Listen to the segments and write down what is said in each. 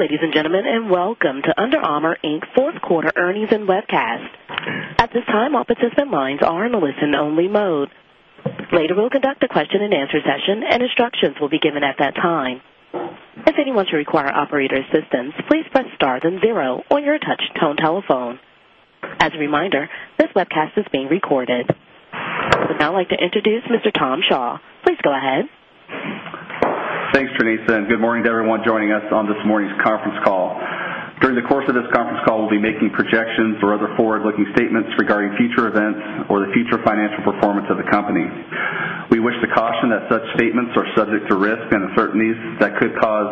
Good day, ladies and gentlemen, and welcome to Under Armour Inc. 4th Quarter Earnings and Webcast. At this time, all participants lines are in a listen only mode. Later, we will conduct a question and answer session and instructions will be given at that time. As a reminder, this webcast is being recorded. I would now like to introduce Mr. Tom Shaw. Please go ahead. Thanks, Tranissa, and good morning to everyone joining us on this morning's conference call. During the course of this conference call, we'll be making projections or other forward looking statements regarding future events or the future financial performance of the company. We wish to caution that such statements are subject to risks and uncertainties that could cause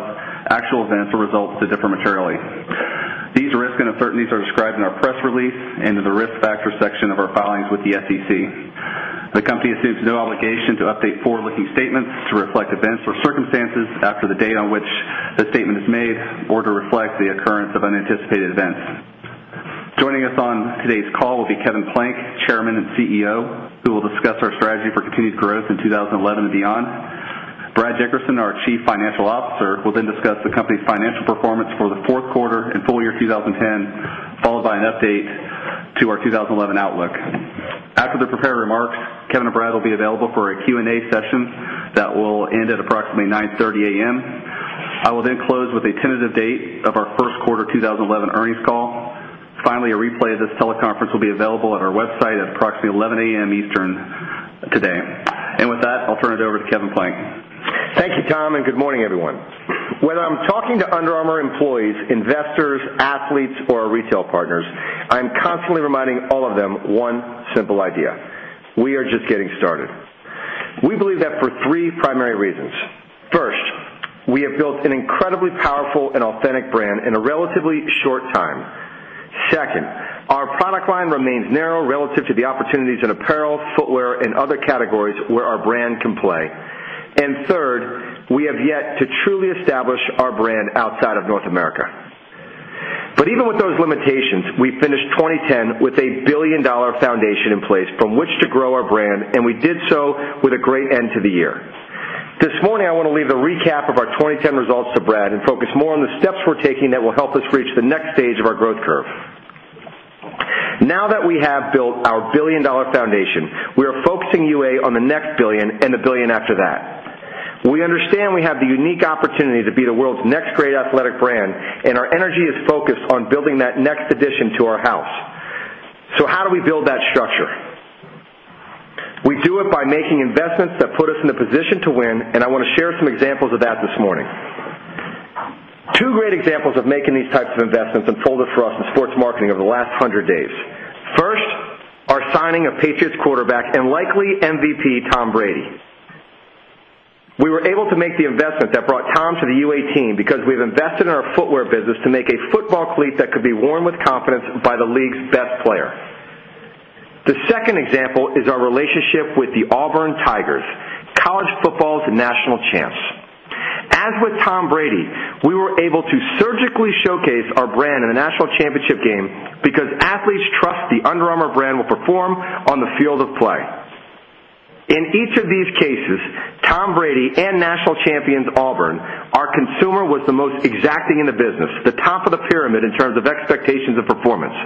actual events or results to differ materially. These risks and uncertainties are described in our press release and in the Risk Factors section of our filings with the SEC. The Company assumes no obligation to update forward looking statements to reflect events or circumstances after the date on which the statement is made or to reflect the occurrence of unanticipated events. Joining us on today's call will be Kevin Plank, Chairman and CEO, who will discuss our strategy for continued growth in 2011 and beyond. Brad Dickerson, our Chief Financial Officer, will then discuss the company's financial performance for the Q4 and full year 2010 followed by an update to our 2011 outlook. After the prepared remarks, Kevin and Brad will be available for a Q and A session that will end at approximately 9:30 a. M. I will then close with a tentative date of our Q1 2011 earnings call. Finally, a replay of this teleconference will be available at our website at approximately 11 am Eastern today. And with that, I'll turn it over to Kevin Plank. Thank you, Tom, and good morning, everyone. Whether I'm talking to Under Armour employees, investors, athletes or our retail partners, I'm constantly reminding all of them one simple idea. We are just getting started. We believe that for 3 primary reasons. 1st, we have built an incredibly powerful and authentic brand in a relatively short time. 2nd, our product line remains narrow relative to the opportunities in apparel, footwear and other categories where our brand can play. And third, we have yet to truly establish our brand outside of North America. But even with those limitations, we finished 2010 with a $1,000,000,000 foundation in place from which to grow our brand, and we did so with a great end to the year. This morning, I want to leave the recap of our 2010 results to Brad and focus more on the steps we're taking that will help us reach the next stage of our growth curve. Now that we have built our $1,000,000,000 foundation, we are focusing UA on the next $1,000,000,000 and $1,000,000,000 after that. We understand we have the unique opportunity to be the world's next great athletic brand and our energy is focused on building that next addition to our house. How do we build that structure? We do it by making investments that put us in a position to win and I want to share some examples of that this morning. 2 great examples of making these types of investments unfolded for us in sports marketing over the last 100 days. First, our signing of Patriots quarterback and likely MVP Tom Brady. We were able to make the investment that brought Tom to the UA team because we've invested in our footwear business to make a football fleet that could be worn with confidence by the league's best player. The second example is our relationship with the Auburn Tigers, college football's national champs. As with Tom Brady, we were able to surgically showcase our brand in the national championship game because athletes trust the Under Armour brand will perform on the field of play. In each of these cases, Tom Brady and National Champions Auburn, our consumer was the most exacting in the business, the top of the pyramid in terms of expectations and performance.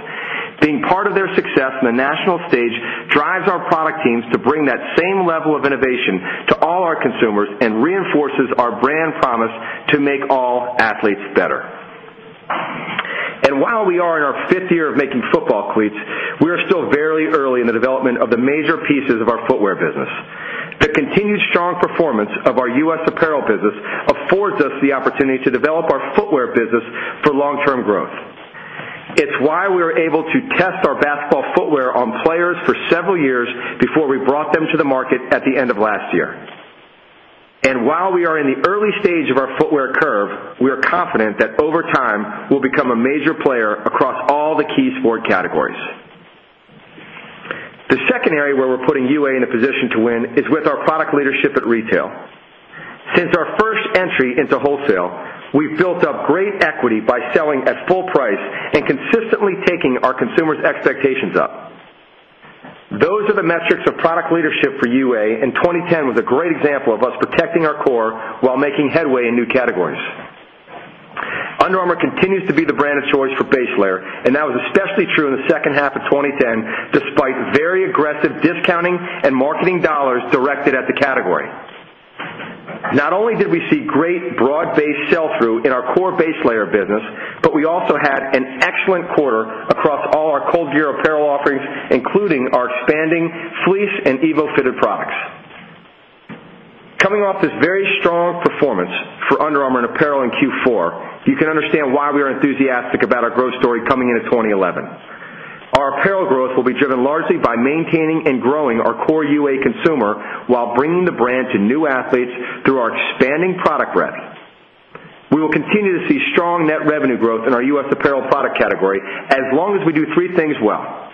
Being part of their success in a national stage drives our product teams to bring that same level of innovation to all our consumers and reinforces our brand promise to make all athletes better. And while we are in our 5th year of making football cleats, we are still very early in opportunity to develop our footwear business for long term growth. It's why we were able to test our basketball footwear on players for several years before we brought them to the market at the end of last year. And while we are in the early stage of our footwear curve, we are confident that over time we'll become a major player across all the key sport categories. The second area where we're putting UA in a position to win is with our product leadership at retail. Since our first entry into wholesale, we've built up great equity by selling at full price and consistently taking our consumers' expectations up. Those are the metrics of product leadership for UA and 2010 was a great example of us protecting our core while making headway in new categories. Under Armour continues to be the brand of choice for base layer and that was especially true in the second half of twenty ten despite very aggressive category. Not only did we see great broad based sell through in our core base layer business, but we also had an excellent quarter across all our cold gear apparel offerings, including our expanding fleece and evofitted products. Coming off this very strong performance for Under Armour and apparel in Q4, you can understand why we are enthusiastic about our growth story coming into 2011. Our apparel growth will be driven largely by maintaining and growing our core UA consumer while bringing the brand to new athletes through our expanding product reps. We will continue to see strong net revenue growth in our U. S. Apparel product category as long as we do 3 things well.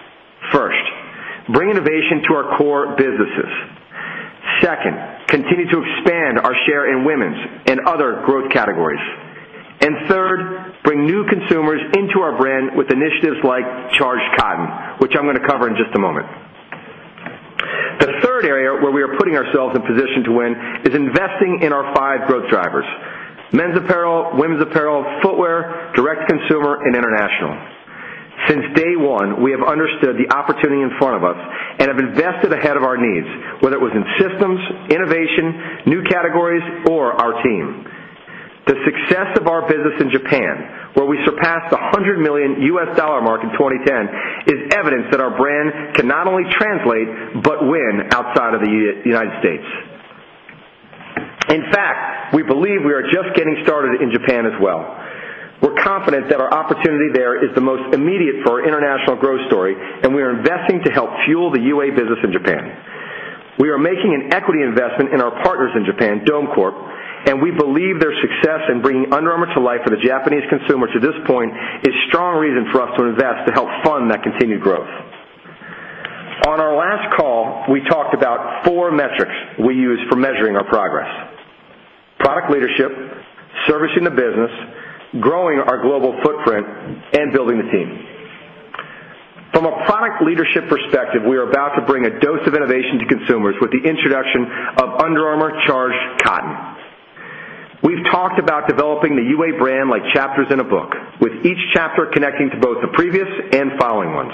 1st, bring innovation to our core businesses. 2nd, continue to expand our share in women's and other growth categories. And third, bring new consumers into our brand with initiatives like Charge Cotton, which I'm going to cover in just a moment. The 3rd area where we are putting ourselves in position to win is investing in our 5 growth drivers: men's apparel, women's apparel, footwear, Direct to Consumer and International. Since day 1, we have understood the opportunity in front of us and have invested ahead of our needs, whether it was in systems, innovation, new categories or our team. The success of our business in Japan, where we surpassed the US100 $1,000,000 mark in 2010 is evidence that our brand can not only translate but win outside of the United States. In fact, we believe we are just getting started in Japan as well. We're confident that our opportunity there is the most immediate for our international growth story and we are investing to help fuel the UA business in Japan. We are making an equity investment in our partners in Japan, Dome Corp, and we believe their success in bringing Under Armour to life for the Japanese consumer to this point is strong reason for us to invest to help fund that continued growth. On our last call, we talked about 4 metrics we use for measuring our progress product leadership, servicing the business, growing our global footprint and building the team. From a product leadership perspective, we are about to bring a dose of innovation to consumers with the introduction of Under Armour Charged Cotton. We've talked about developing the UA brand like chapters in a book with each chapter connecting to both the previous and following ones.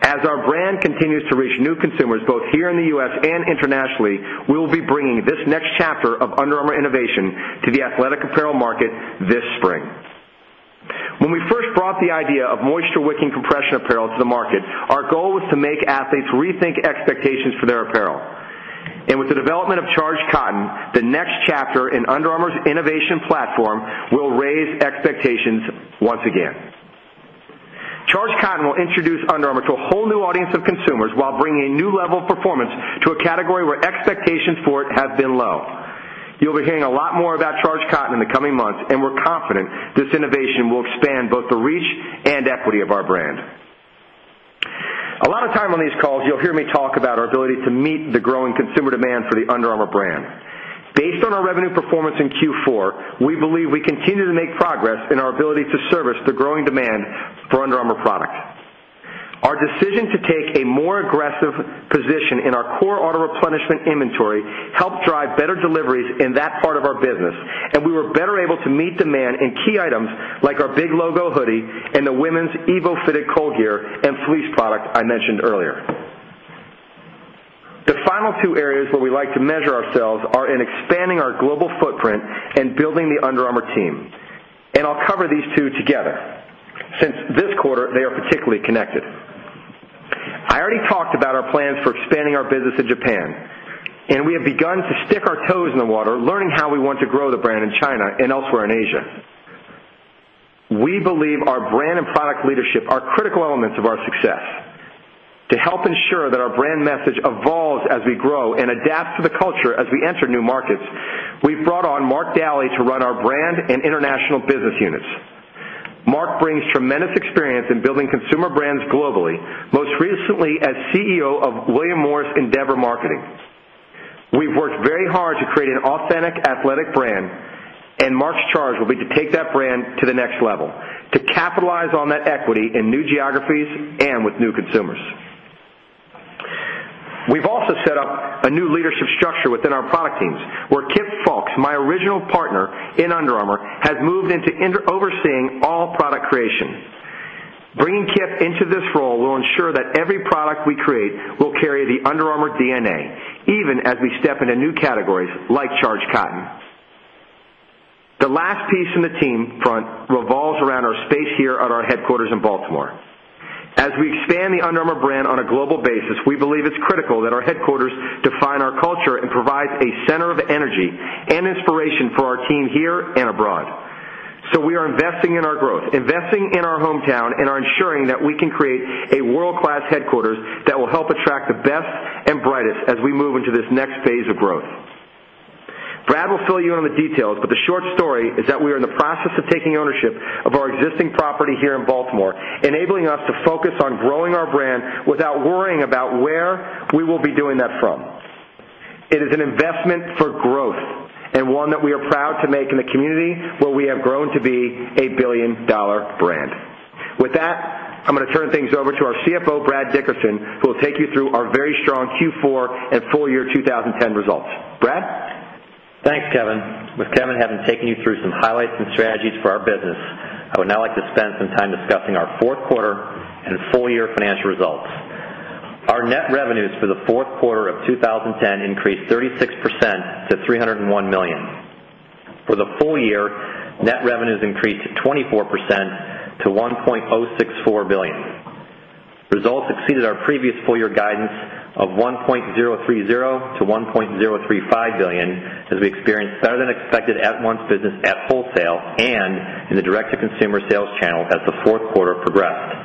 As our brand continues to reach new consumers both here in the U. S. And internationally, we will be bringing this next chapter of Under Armour innovation to the athletic apparel market this spring. When we first brought the idea of moisture wicking compression apparel to the market, our goal was to make athletes rethink expectations for their apparel. And with the development of Charge Cotton, the next chapter in Under Armour's innovation platform will raise expectations once again. Charge Cotton will introduce Under Armour to a whole new audience of consumers while bringing a new level of performance to a category where expectations for it have been low. You'll be hearing a lot more about Charge Cotton in the coming months and we're confident this innovation will expand both the reach and equity of our brand. A lot of time on these calls, you'll hear me talk about our ability to meet the growing consumer demand for the Under Armour brand. Based on our revenue performance in Q4, we believe we continue to make progress in our ability to service the growing demand for Under Armour product. Our decision to take a more aggressive position in our core auto replenishment inventory helped drive better deliveries in that part of our business and we were better able to meet demand in key items like our Big Logo hoodie and the women's EVO Fitted cold gear and fleece product I mentioned earlier. The final two areas where we like to measure ourselves are in expanding our global footprint and building the Under Armour team, and I'll cover these 2 together since this quarter they are particularly connected. I already talked about our plans for expanding our business in Japan, and we have begun to stick our toes in the water learning how we want to grow the brand in China and elsewhere in Asia. We believe our brand and product leadership are critical elements our success. To help ensure that our brand message evolves as we grow and adapt to the culture as we enter new markets, we've brought on Mark Dally to run our brand and international business units. Mark brings tremendous experience in building consumer brands globally, most recently as CEO of William Morris Endeavor Marketing. We've worked very hard to create an authentic athletic brand and March's charge will be to take that brand to the next level, to capitalize on that equity in new geographies and with new consumers. We've also set up a new leadership structure within our product teams where Kip Folks, my original partner in Under Armour, has moved into overseeing all product creation. Bringing Kip into this role will ensure that every we create will carry the Under Armour DNA even as we step into new categories like charged cotton. The last piece in the team front revolves around our space here at our headquarters in Baltimore. As we expand the Under Armour brand on a global basis, we believe it's critical that our headquarters define our culture and provides a center of energy and inspiration for our team here and abroad. So we are investing in our growth, investing in our hometown and are ensuring that we can create a world class headquarters that will help attract the best and brightest as we move into this next phase of growth. Brad will fill you in with details, but the short story is that we are in the process of taking ownership of our existing property here in Baltimore, enabling us to focus on growing our brand without worrying about where we will be doing that from. It is an investment for growth and one that we are proud to make in a community where we have grown to be a $1,000,000,000 brand. With that, I'm going to turn things over to our CFO, Brad Dickerson, who will take you through our very strong Q4 and full year 2010 results. Brad? Thanks, Kevin. With Kevin having taken you through some highlights and strategies for our business, I would now like to spend some time discussing our Q4 and full year financial results. Our net revenues for the Q4 of 2010 increased 36% to $301,000,000 For the full year, net revenues increased to 24 percent to $1,064,000,000 Results exceeded our previous full year guidance of $1,030,000,000 to $1,035,000,000 as we experienced better than expected at once business at wholesale and in the direct to consumer sales channel as the Q4 progressed.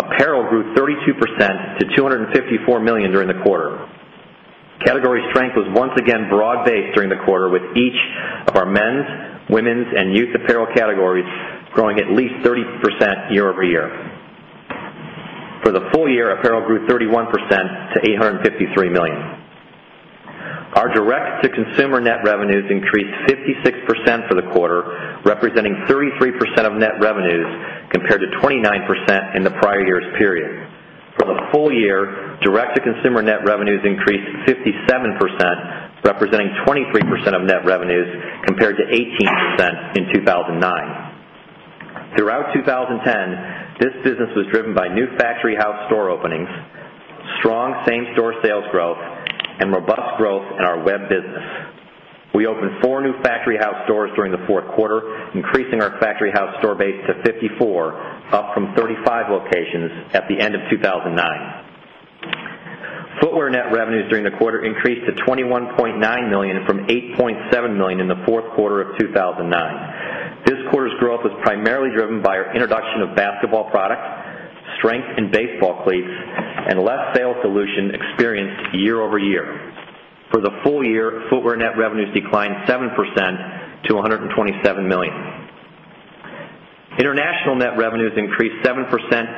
Apparel grew 32% to $254,000,000 during the quarter. Category strength was once again broad based during the quarter with each of our men's, women's and youth apparel categories growing at least 30% year over year. For the full year, apparel grew 31 percent to 853,000,000 percent for the quarter, representing 33% of net revenues compared to 29% in the prior year's period. For the full year, direct to consumer net revenues increased 57%, representing 23% of net revenues compared to 18% in 2 1009. Throughout 2010, this business was driven by new factory house store openings, strong same store sales growth and robust growth in our web business. We opened 4 new factory house stores during the Q4 increasing our factory house store base to 54, up from 35 locations at the end of 2,009. Footwear net revenues during the quarter increased to $21,900,000 from $8,700,000 in the Q4 of 2,009. This quarter's growth was primarily driven by our introduction of basketball product, strength in baseball cleats and less sales solution experienced year over year. For the full year footwear net revenues declined 7% to $127,000,000 International net revenues increased 7%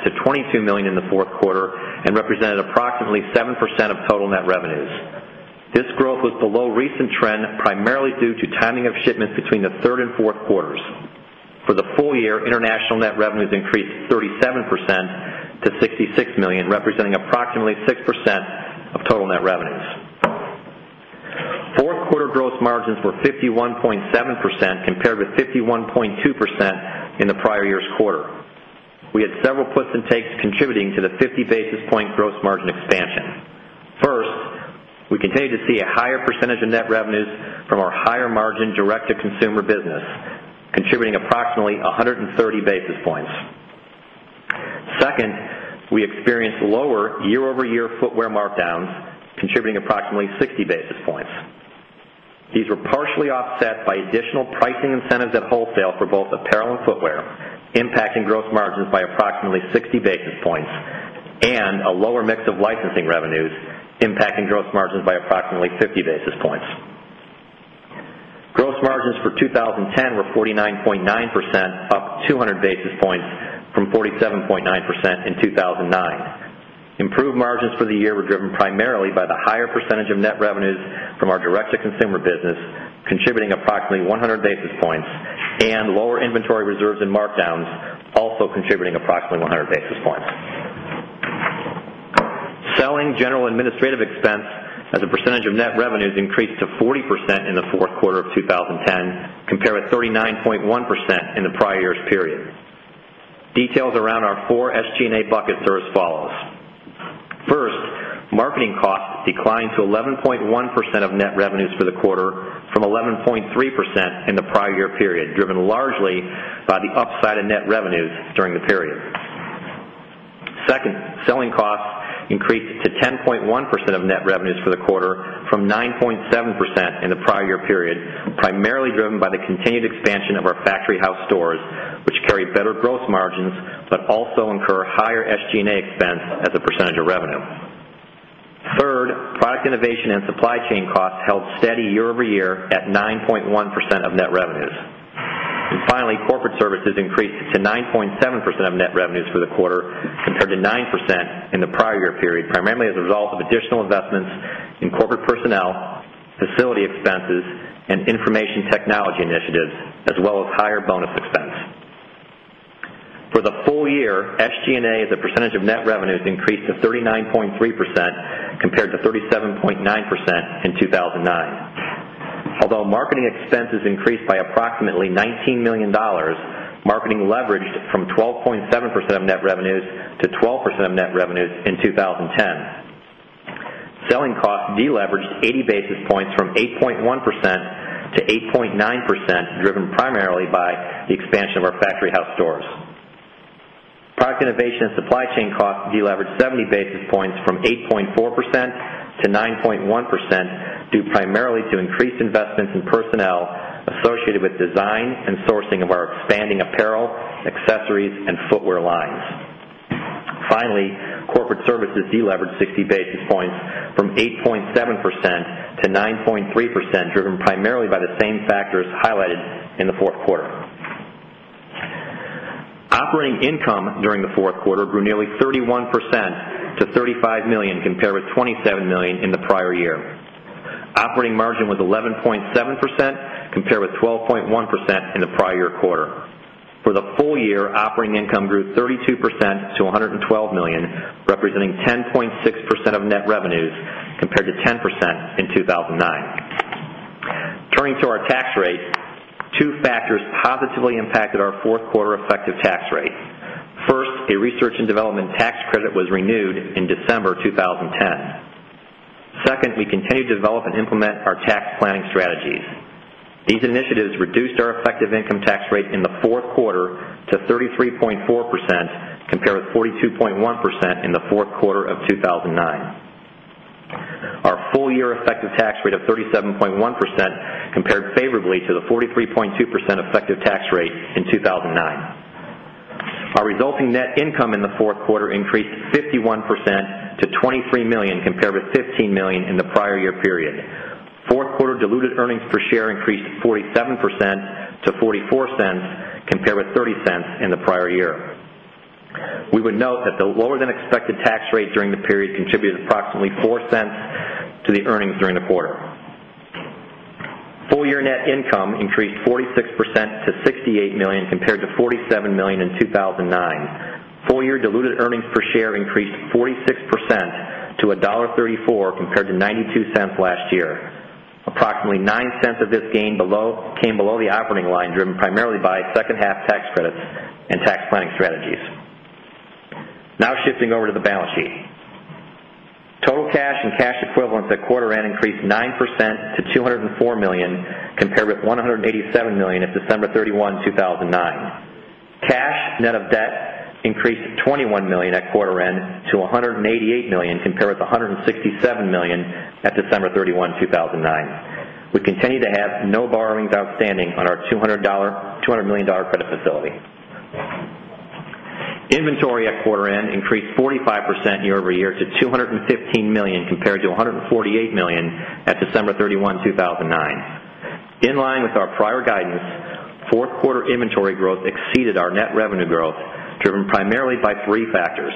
to $22,000,000 in the 4th quarter and represented approximately 7% of total net revenues. This growth was below recent trend primarily due to timing of shipments between the 3rd 4th quarters. For the full year, international net revenues increased 37 percent to $66,000,000 representing approximately 6% of total net revenues. 4th quarter gross margins were 51.7% compared with 51.2% in the prior year's quarter. We had several puts and takes contributing to the 50 basis point gross margin expansion. First, we continue to see a higher percentage of net revenues from our higher margin direct to consumer business, contributing approximately 130 basis points. 2nd, we experienced lower year over year footwear markdowns contributing approximately 60 basis points. These were partially offset by additional pricing incentives at wholesale for both apparel and footwear impacting gross margins by approximately 60 basis points and a lower mix of licensing revenues impacting gross margins by approximately 50 basis points. Gross margins for 2010 were 49.9 percent, up 200 basis points from 47.9% in 2,009. Improved margins for the year were driven primarily by the higher percentage of net revenues from our direct to consumer business contributing approximately 100 basis points and lower inventory reserves and markdowns also contributing approximately 100 basis points. Selling, general and administrative expense as a percentage of net revenues increased to 40% in the Q4 of 2010 compared with 39.1% in the prior year's period. Details around our 4 SG and A buckets are as follows. 1st, marketing costs declined to 11.1% of net revenues for the quarter from 11.3% in the prior year period, driven largely by the upside of net revenues during the period. 2nd, selling costs increased to 10.1% of net revenues for the quarter from 9.7% in the prior year period, primarily driven by the continued expansion of our factory house stores, which carry better gross margins, but also incur higher SG and A expense as a percentage of revenue. 3rd, product innovation and supply chain costs held steady year over year at 9.1% of net revenues. And finally, corporate services increased to 9.7% of net revenues for the quarter compared to 9% in the prior year period, primarily as a result of additional investments in corporate personnel, facility expenses and information technology initiatives as well as higher bonus expense. For the full year, SG and A as a percentage of net revenues increased to 39.3% compared to 37.9% in 2,009. Although marketing expenses increased by approximately $19,000,000 marketing leveraged from 12.7 percent of net revenues to 12% of net revenues in 2010. Selling costs deleveraged 80 basis points from 8.1% to 8.9%, driven primarily by the expansion of our factory house stores. Product innovation and supply chain costs deleveraged 70 basis points from 8.4% to 9.1% due primarily to increased investments in personnel associated with design and sourcing of our expanding apparel, accessories and footwear lines. Finally, corporate services delevered 60 basis points from 8.7% to 9.3% driven primarily by the same factors highlighted in the 4th quarter. Operating income during the Q4 grew nearly 31 percent to $35,000,000 compared with $27,000,000 in the prior year. Operating margin was 11.7 percent compared with 12.1 percent in the prior year quarter. For the full year, operating income grew 32% to $112,000,000 representing 10.6% of net revenues compared to 10% in 2,009. Turning to our tax rate, 2 factors positively impacted our 4th quarter effective tax rate. First, a research and development tax credit was renewed in December 2010. 2nd, we continue to develop and implement our tax planning strategies. These initiatives reduced our effective income tax rate in the Q4 to 33.4% compared with 42.1% in the Q4 of 2,009. Our full year effective tax rate of 37.1% compared favorably to the 43.2% effective tax rate in 2,009. Our resulting net income in the 4th quarter increased 51 percent to $23,000,000 compared with $15,000,000 in the prior year period. 4th quarter diluted earnings per share increased 47 percent to $0.44 compared with $0.30 in the prior year. We would note that the lower than expected tax rate during the period contributed approximately $0.04 to the earnings during the quarter. Full year net income increased 46 percent to $68,000,000 compared to $47,000,000 in 2,009. Full year diluted earnings per share increased 46% to $1.34 compared to $0.92 last year. Approximately $0.09 of this gain came below the operating line driven primarily by second half tax credits and tax planning strategies. Now shifting over to the balance sheet. Total cash and cash equivalents at quarter end increased 9% to 204,000,000 dollars compared with $187,000,000 at December 31, 2000 and 9. Cash net of debt increased $21,000,000 at quarter end to $188,000,000 compared with $167,000,000 at December 31, 2009. We continue to have no borrowings outstanding on our $200,000,000 credit facility. Inventory at quarter end increased 45% year over year to $215,000,000 compared to $148,000,000 at December 31, 2009. In line with our prior guidance, 4th quarter inventory growth exceeded our net revenue growth driven primarily by 3 factors.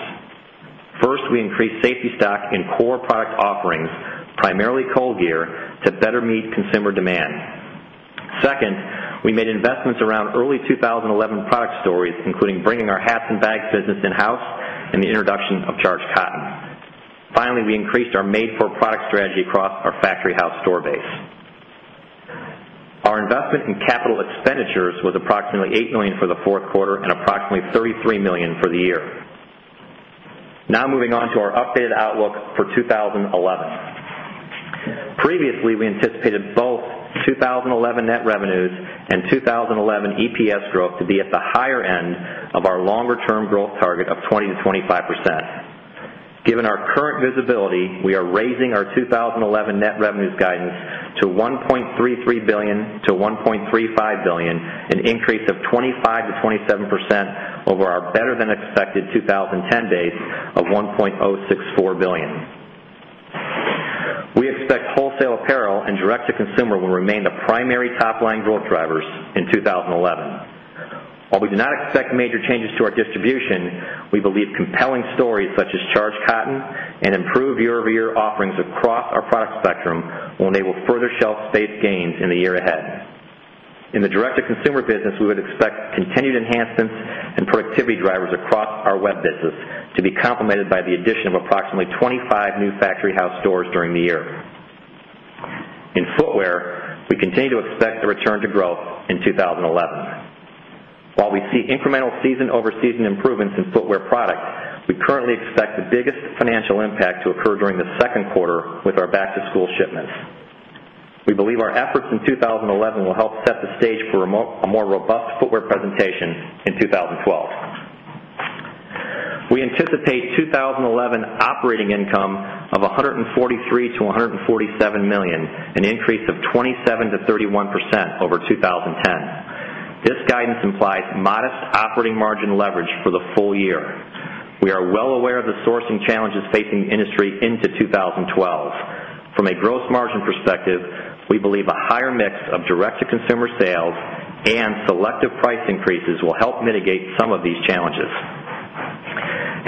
1st, we increased safety stock in core product offerings, primarily Colgear to better meet consumer demand. 2nd, we made investments around early 2011 product stories including bringing our hats and bags business in house and the introduction of Charge Cotton. Finally, we increased our made for product strategy across our factory house store base. Our investment in capital expenditures was approximately $8,000,000 for the 4th quarter and approximately $33,000,000 for the year. Now moving on to our updated outlook for 2011. Previously, we anticipated both 2011 net revenues and 2011 EPS growth to be at the higher end of our longer term growth target of 20% to 25%. Given our current visibility, we are raising our 2011 net revenues guidance to $1,330,000,000 to 1,350,000,000 dollars an increase of 25% to 27% over our better than expected 2010 date of 1,064,000,000 dollars We expect wholesale apparel and direct to consumer will remain the primary top line growth drivers in 2011. While we do not expect major changes to our distribution, we believe compelling stories such as charged cotton and improved year over year offerings across our product spectrum will enable further shelf space gains in the year ahead. In the direct to consumer business, we would expect continued enhancements and productivity drivers across our web business to be complemented by the addition of approximately 25 new factory house stores during the year. In footwear, we continue to expect the return to growth in 2011. While we see incremental season over season improvements in footwear product, we currently expect the biggest financial impact to occur during the Q2 with our back to school shipments. We believe our efforts in 2011 operating income of $143,000,000 to $147,000,000 an increase of 27% to 31% over 2010. This guidance implies modest operating margin leverage for the full year. We are well aware of the sourcing challenges facing the industry into 2012. From a gross margin perspective, we believe a higher mix of direct to consumer sales and selective price increases will help mitigate some of these challenges.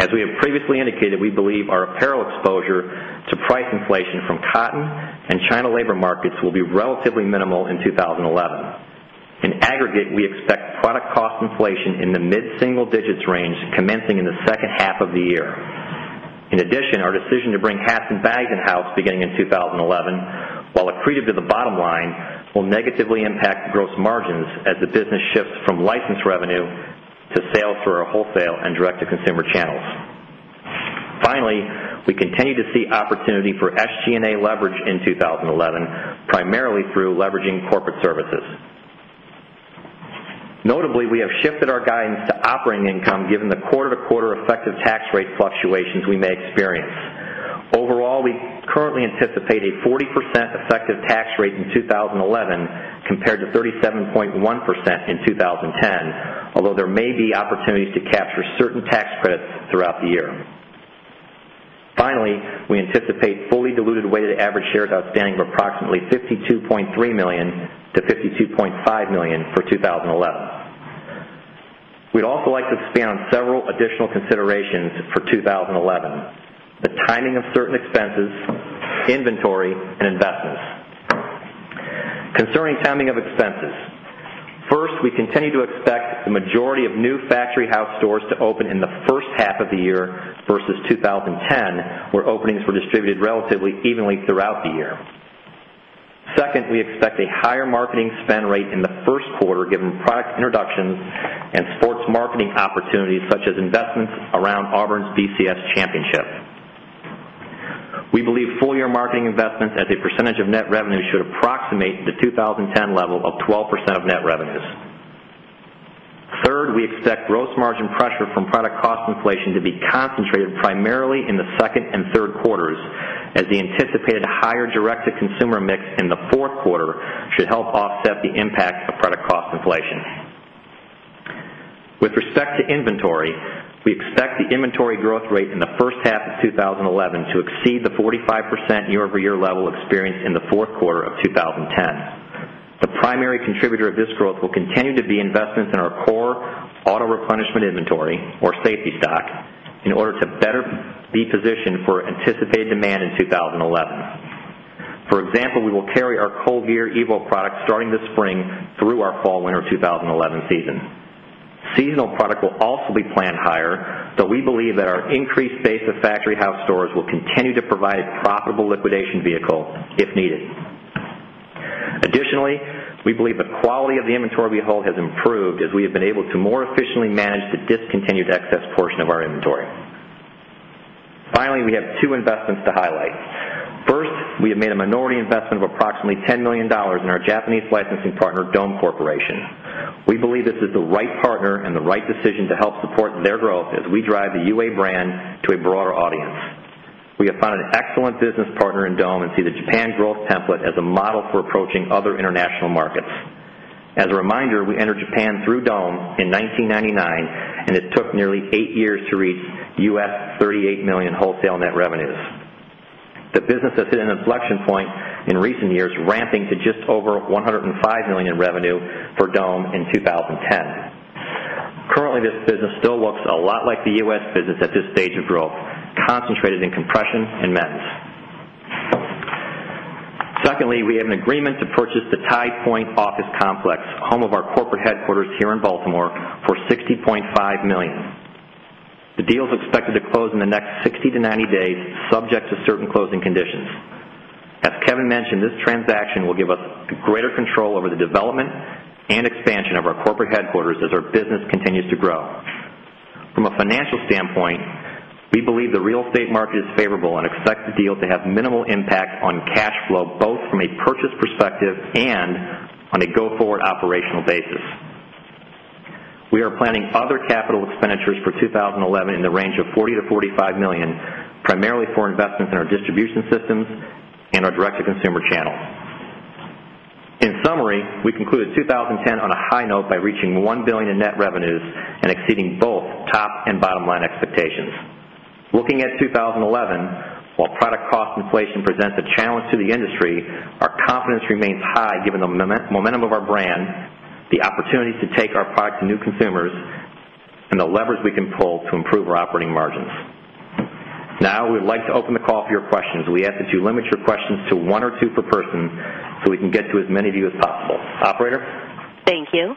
As we have previously indicated, we believe our apparel exposure to price inflation from cotton and China labor markets will be relatively minimal in 2011. In aggregate, we expect product cost inflation in the mid single digits range commencing in the second half of the year. In addition, our decision to bring hats and bags in house beginning in 2011, while accretive to the bottom line, will negatively impact gross margins as the business shifts from license revenue to sales through our wholesale and direct to consumer channels. Finally, we continue to see opportunity for SG and A leverage in 2011, primarily through leveraging corporate services. Notably, we have shifted our guidance to operating income given the quarter to quarter effective tax rate fluctuations we may experience. Overall, we currently anticipate a 40% effective tax in 2011 compared to 37.1 percent in 2010, although there may be opportunities to capture certain tax credits throughout the year. Finally, we anticipate fully diluted weighted average shares outstanding of approximately 52,300,000 to 52,500,000 for 2011. We'd also like to expand on several additional considerations for 2011, the timing of certain expenses, inventory and investments. Concerning timing of expenses, first, we continue to expect the majority of new factory house stores to open in the first half of the year versus 2010 where openings were distributed relatively evenly throughout the year. 2nd, we expect a higher marketing spend rate in the first quarter given product introductions and sports marketing opportunities such as investments around Auburn's BCS Championship. We believe full year marketing investments as a percentage of net revenue should approximate the 2010 level of 12% of net revenues. 3rd, we expect gross margin pressure from product cost inflation to be concentrated primarily in the 2nd and third quarters as the anticipated higher direct to consumer mix in the 4th quarter should help offset the impact of credit cost inflation. With respect to inventory, we expect the inventory growth rate in the first half of twenty eleven to exceed the 45 percent year over year level experienced in the Q4 of 2010. The primary contributor of this growth will continue to be investments in our core auto replenishment inventory or safety stock in order to better be positioned for anticipated demand in 2011. For example, we will carry our Coldgear EVO product starting this spring through our fall winter 2011 season. Seasonal product will also be planned higher, but we believe that our increased base of factory house stores will continue to provide a profitable liquidation vehicle if needed. Additionally, we believe the quality of the inventory we hold has improved as we have been able to more efficiently manage the discontinued excess portion of our inventory. Finally, we have 2 investments to highlight. First, we have made a minority investment of approximately $10,000,000 in our Japanese licensing partner Dome Corporation. We believe this is the right partner and the right decision to help support their growth as we drive the UA brand to a broader audience. We have found an excellent business partner in Dome and see the Japan growth template as a model for approaching other international markets. As a reminder, we entered Japan through Dome in 1999 and it took nearly 8 years to reach US38 million dollars wholesale net revenues. The business has hit an inflection point in recent years ramping to just over $105,000,000 in revenue for Dome in 2010. Currently, this business still looks a lot like the U. S. Business at this stage of growth, concentrated in compression and meds. Secondly, we have an agreement to purchase the Tide Point office complex, home of our corporate headquarters here in Baltimore for 60,500,000. Dollars The deal is expected to close in the next 60 to 90 days subject to certain closing conditions. As Kevin mentioned, this transaction will give us greater control over the development and expansion of our corporate headquarters as our business continues to grow. From a financial standpoint, we believe the real estate market is favorable and expect the deal to have minimal impact on cash flow both from a purchase perspective and on a go forward operational basis. We are planning other capital expenditures for 2011 in the range of $40,000,000 to $45,000,000 primarily for investments in our distribution systems and our direct to consumer channel. In summary, we concluded 2010 on a high note by reaching $1,000,000,000 in net revenues and exceeding both top and bottom line expectations. Looking at 2011, while product cost inflation presents a challenge to the industry, our confidence remains high given the momentum of our brand, the opportunity to take our product to new consumers and the levers we can pull to improve our operating margins. Now, we'd like to open the call for your questions. We ask that you limit your questions to 1 or 2 per person, so we can get to as many of you as possible. Operator? Thank you.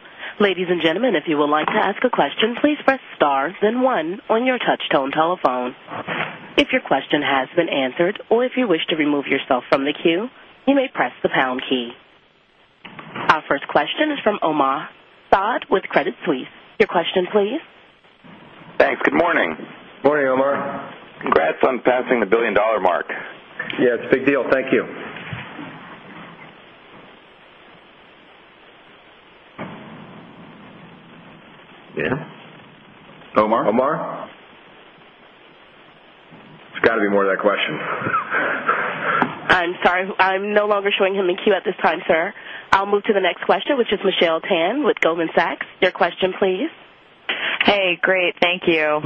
Our first question is from Omar Saad with Credit Suisse. Your question please. Thanks. Good morning. Good morning, Omar. Congrats on passing the $1,000,000,000 mark. Yes, it's a big deal. Thank you. Omar? Omar? There's got to be more to that question. I'm sorry. I'm no longer showing him the queue at this time, sir. I'll move to the next question, which is Michelle Tan with Goldman Sachs. Your question, please. Hey, great. Thank you.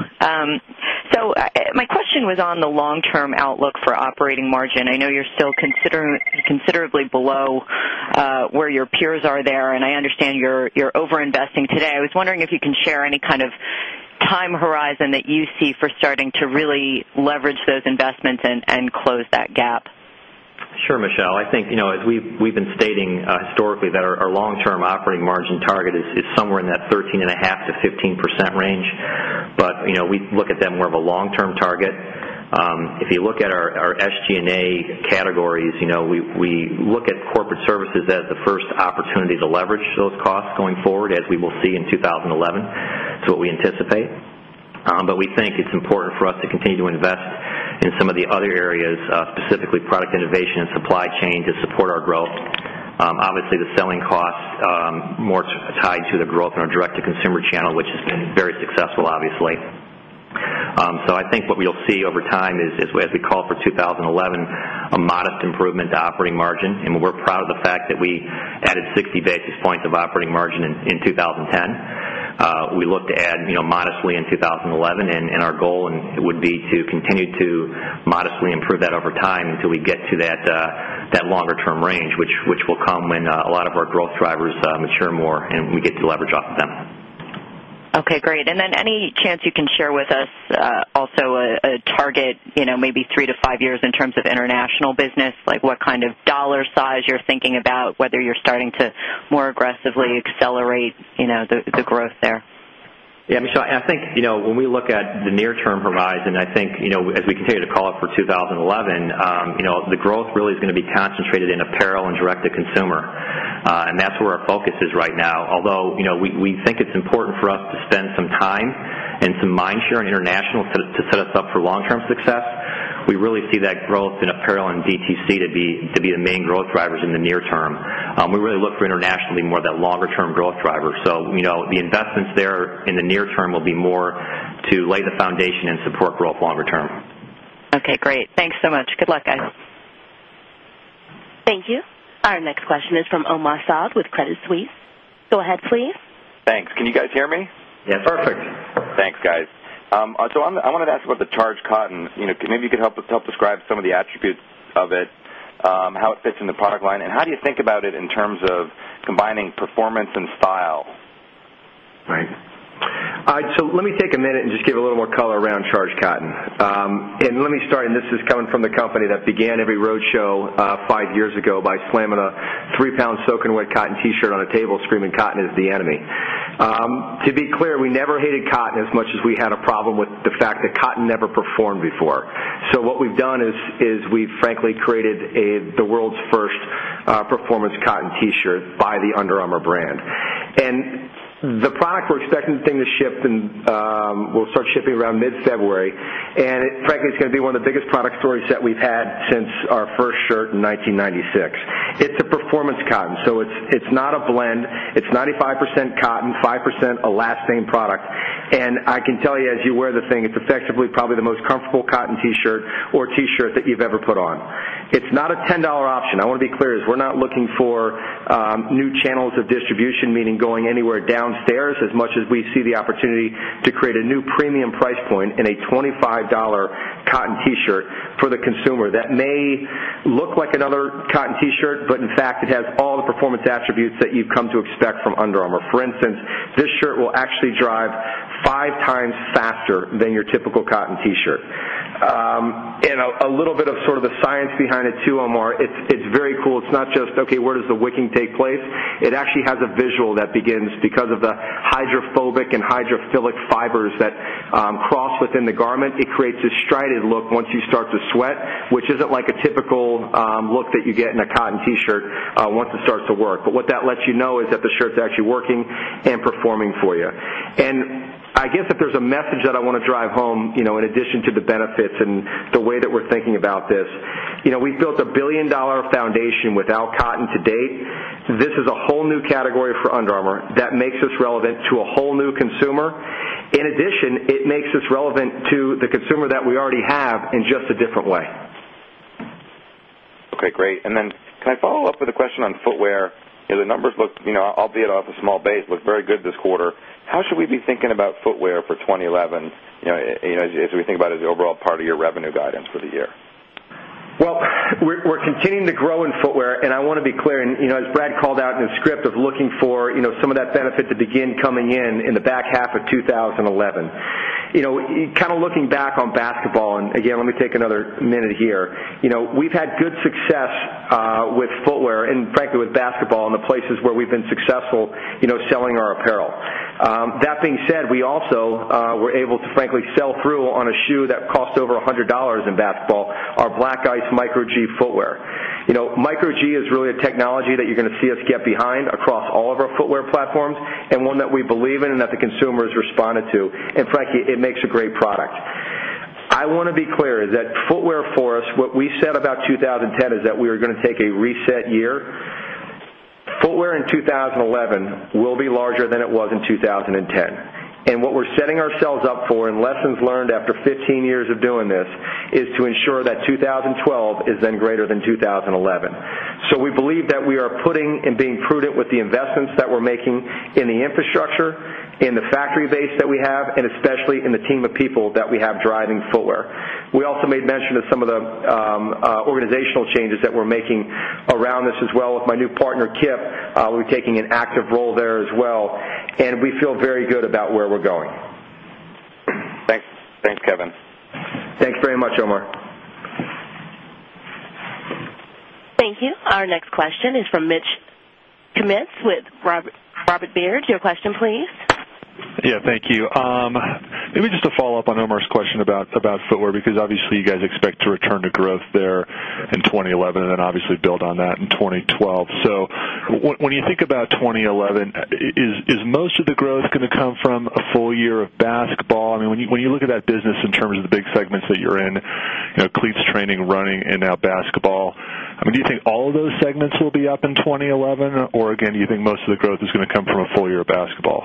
So my question was on the long term outlook for operating margin. I know you're still considerably below where your peers are there and I understand you're over investing today. I was wondering if you can share any kind of time horizon that you see for starting to really leverage those investments and close that gap? Sure, Michelle. I think as we've been stating historically that our long term operating margin target is somewhere in that 13.5% to 15% range. But we look at them more of a long term target. If you look at our SG and A categories, we look at corporate services as the first opportunity to leverage those costs going forward as we will see in 2011. That's what we anticipate, but we think it's important for us to continue to invest in some of the other areas, specifically product innovation and supply chain to support our growth. Obviously, the selling costs more tied to the growth in our direct to consumer channel, which has been very successful obviously. So I think what we'll see over time is as we call for 2011, a modest improvement to operating margin and we're proud of the fact that we added 60 basis points of operating margin in 2010. We look to add modestly in 2011 and our goal would be to continue to modestly improve that over time until we get to that longer term range, which will come when a lot of our growth drivers mature more and we get to leverage off of them. Okay, great. And then any chance you can share with us also a target maybe 3 to 5 years in terms of international business, like what kind of dollar size you're thinking about, whether you're starting to more aggressively accelerate the growth there? Yes, Michelle. I think when we look at the near term provides and I think as we continue to call it for 2011, the growth really is going to be concentrated in apparel and direct to consumer. And that's where our focus is right now. Although we think it's important for us to spend some time and some mind share in international to set us up for long term success, We really see that growth in apparel and DTC to be the main growth drivers in the near term. We really look for international to be more of that term growth driver. So, the investments there in the near term will be more to lay the foundation and support growth longer term. Okay, great. Thanks so much. Good luck, guys. Thank you. Our next question is from Omar Saad with Credit Suisse. Go ahead, please. Can you guys hear me? Yes, perfect. Thanks guys. So I wanted to ask about the Charge Cotton. Maybe you could help describe some of the attributes of it, how it fits in the product line and how do you think about it in terms of combining performance and style? Right. So, let me take a minute and just give a little more color around Charge Cotton. And let me start, and this is coming from the company that began every roadshow 5 years ago by slamming a 3 pound soaking wet cotton t shirt on a table screaming cotton is the enemy. To be clear, we never hated cotton as much as we had a problem with the fact that cotton never performed before. So what we've done is we've frankly created the world's 1st performance cotton T shirt by the Under Armour brand. And the product we're expecting thing to ship and will start shipping around mid February. And frankly, it's going to be one of the biggest product stores that we've had since our first shirt in 1996. It's a performance cotton, so it's not a blend. It's 95% cotton, 5% elastane product. And I can tell you as you wear the thing, it's effectively probably the most comfortable cotton T shirt or T shirt that you've ever put on. It's not a $10 option. I want to be clear is we're not looking for new channels of distribution, meaning going anywhere downstairs as much as we see the opportunity to create a new premium price point in a $25 cotton t shirt for the consumer. That may look like another cotton t shirt, but in fact it has all the performance attributes that you've come to expect from Under Armour. For instance, this shirt will actually drive 5 times faster than your typical cotton t shirt. And a little bit of sort of the science behind it too, Omar, it's very cool. It's not just, okay, where does the wicking take place. It actually has a visual that begins because of the hydrophobic and hydrophilic fibers that cross within the garment. It creates a strided look once you start to sweat, which isn't like a typical look that you get in a cotton T shirt once it starts to work. But what that lets you know is that the shirt is actually working and performing for you. And I guess if there's a message that I want to drive home in addition to the benefits and the way that we're thinking about this, We've built a $1,000,000,000 foundation without cotton to date. This is a whole new category for Under Armour that makes us relevant to a whole new consumer. In addition, it makes us relevant to the consumer that we already have in just a different way. Okay, great. And then can I follow-up with a question on footwear? The numbers look albeit off a small base, looked very good this quarter. How should we be thinking about footwear for 2011 as we think about it as overall part of your revenue guidance for the year? Well, we're continuing to grow in footwear and I want to be clear and as Brad called out in his script of looking for some of that benefit to begin coming in, in the back half of twenty eleven. Kind of looking back on basketball and again let me take another minute here. We've had good success with footwear and frankly with basketball and the places where we've been successful selling apparel. That being said, we also were able to frankly sell through on a shoe that cost over $100 in basketball, our Black Ice Micro G Footwear. Micro G is really a technology that you're going to see us get behind across all of our footwear platforms and one that we believe in and that the consumer has responded to. And frankly, it makes a great product. I want to be clear that footwear for us, what we said about 2010 is that we are going to take a reset year. Footwear in 2011 will be larger than it was in 2010. And what we're setting ourselves up for and lessons learned after 15 years of doing this is to ensure that 2012 is then greater than 2012 is then greater than 2011. So we believe that we are putting and being prudent with the investments that we're making in the infrastructure, in the factory base that we have and especially in the team of people that we have driving footwear. We also made mention of some of the organizational changes that we're making around this as well with my new partner Kipp, Thanks. Thanks, Kevin. Thanks very much, Omar. Thank you. Thanks. Thanks, Kevin. Thanks very much, Omar. Thank you. Our next question is from Mitch Kummetz with Robert Baird. Your question please. Yes, thank you. Maybe just a follow-up on Omar's question about footwear because obviously you guys expect to return to growth there in 2011 and then obviously build on that in 2012. So when you think about 2011, is most of the growth going to come from a full year of basketball? I mean, when you look at that business in terms of the big segments that you're in cleats, training, running and now basketball, I mean do you think all of those segments will be up in 2011 or again do you think most of the growth is going to come from a full year of basketball?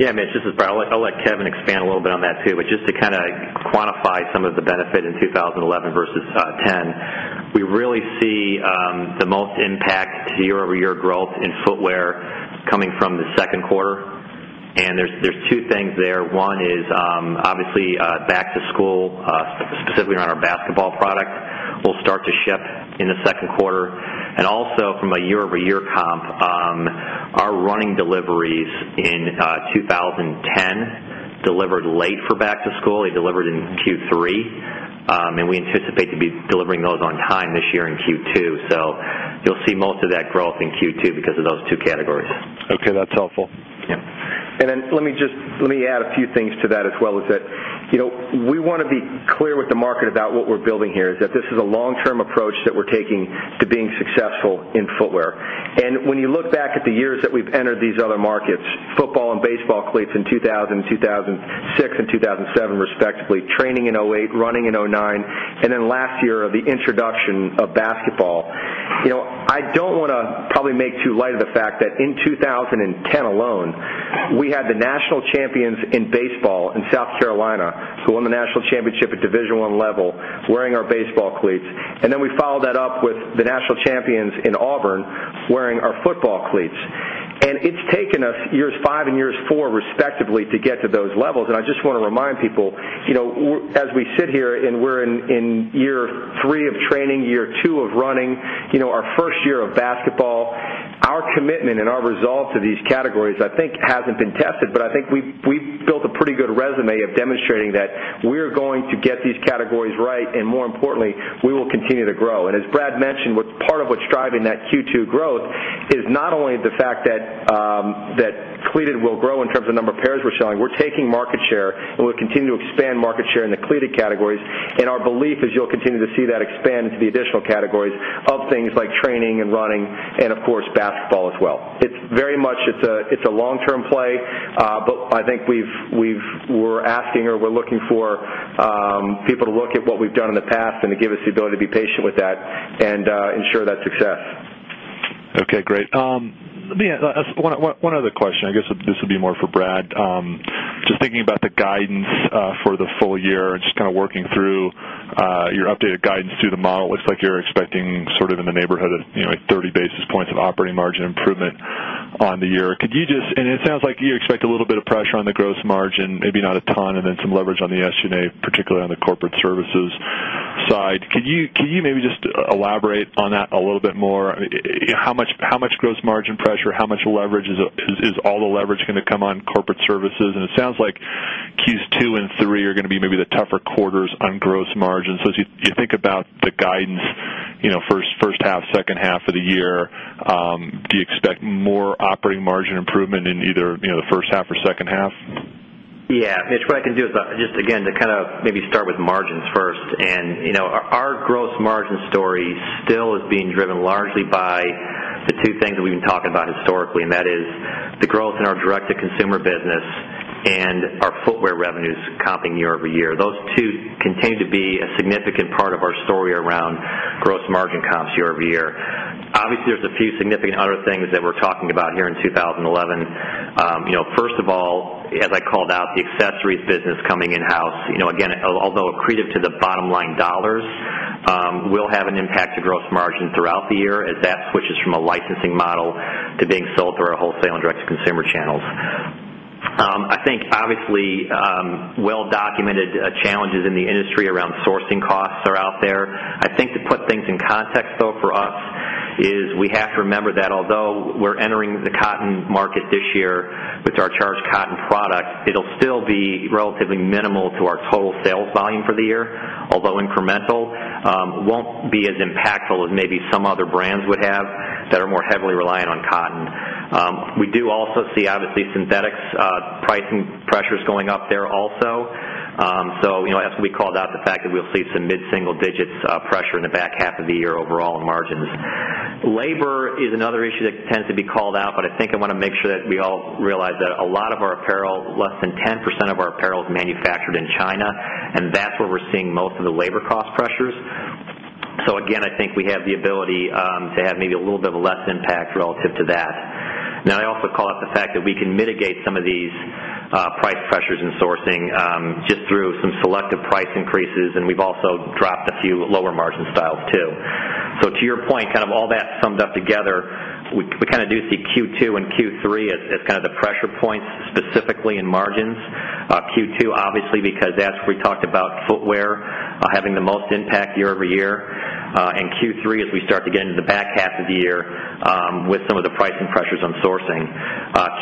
Yes, Mitch, this is Brett. I'll let Kevin expand a little bit on that too, but just to kind of quantify some of the benefit in 2011 versus 'ten. We really see the most impact to year over year growth in footwear coming from the 2nd quarter. And there's 2 things there. 1 is obviously back to school specifically on our basketball product will start to ship in the Q2. And also from a year over year comp, our running deliveries in 2010 delivered late for back to school. They delivered in Q3. And we anticipate to be delivering those on time this year in Q2. So you'll see most of that growth in Q2 because of those two categories. Okay, that's helpful. Yes. And then let me just let me add a few things to that as well as we want to be clear with the market about what we're building here is that this is a long term approach that we're taking to being successful in footwear. And when you look back at the years that we've entered these other markets, football and baseball cleats in 2000, 2006, and 2,007 respectively, training in 'eight, running in 'nine, and then last year of the introduction of basketball. I don't want to probably make too light of the fact that in 2010 alone, we had the national champions in baseball in South Carolina who won the national championship at Division 1 level wearing our baseball cleats and then we followed that up with the national champions in Auburn wearing our football cleats. And it's taken us years 5 years 4 respectively to get to those levels. And I just want to remind people, as we sit here and we're in year 3 of training, year 2 of running, our 1st year of basketball, our commitment and our results to these categories, I think, hasn't been tested, but I think we've built a pretty good resume of demonstrating that we are going to get these categories right, and more importantly, we will continue to grow. And as Brad mentioned, what's part of what's driving that Q2 growth is not only the fact that, that cleated will grow in terms of number of pairs we're selling, we're taking market share and we'll continue to expand market share in the cleated categories and our belief is you'll continue to see that expand into the additional categories of things like training and running and of course basketball as well. It's very much it's a long term play, but I think we've we're asking or we're looking for people to look at what we've done in the past and to give us the ability to be patient with that and ensure that success. Okay, great. One other question, I guess this will be more for Brad. Just thinking about the guidance for the full year and just kind of working through your updated guidance through the model, it looks like you're expecting sort of in the neighborhood of 30 basis points of operating margin improvement on the year. Could you just and it sounds like you expect a little bit of pressure on the gross margin, maybe not a ton and then some leverage on the SG and A, particularly on the corporate services side. Could you maybe just elaborate on that a little bit more? How much gross margin pressure? How much leverage is all the leverage going to come on corporate services? And it sounds like Q2 and Q3 are going to be maybe the tougher quarters on gross margin. So as you think about the guidance first half, second half of the year, do you expect more operating margin improvement in either the first half or second half? Yes. Mitch, what I can do is just again to kind of maybe start with margins first. And our gross margin story still is being driven largely by the 2 things that we've been talking about historically and that is the growth in our direct to consumer business and our footwear revenues comping year over year. Those 2 continue to be a significant part of our story around gross margin comps year over year. Obviously, there's a few significant other things that we're talking about here in 2011. First of all, as I called out the accessories business coming in house, again, although accretive to the bottom line dollars, will have an impact to gross margin throughout the year as that switches from a licensing model to being sold through our wholesale and direct to consumer channels. I think obviously well documented challenges in the industry around sourcing costs are out there. I think to put things in context though for us is we have to remember that although we're entering the cotton market this year with our charged cotton product, it will still be relatively minimal to our total sales volume for the year although incremental. Won't be as impactful as maybe some other brands would have that are more heavily reliant on cotton. We do also see obviously synthetics pricing pressures going up there also. So as we called out the fact that we'll see some mid single digits pressure in the back half of the year overall in margins. Labor is another issue that tends to be called out, but I think I want to make sure that we all realize that a lot of our apparel less than 10% of our apparel is manufactured in China and that's where we're seeing most of the labor cost pressures. So again, I think we have the ability to have maybe a little bit of less impact relative to that. Now I also call the fact that we can mitigate some of these price pressures in sourcing just through some selective price increases and we've also dropped a few lower margin styles too. So to your point kind of all that summed up together, we kind of do see Q2 and Q3 as kind of the pressure points specifically in margins. Q2 obviously because as we talked about footwear having the most impact year over year and Q3 as we start to get into the back half of the year with some of the pricing pressures on sourcing.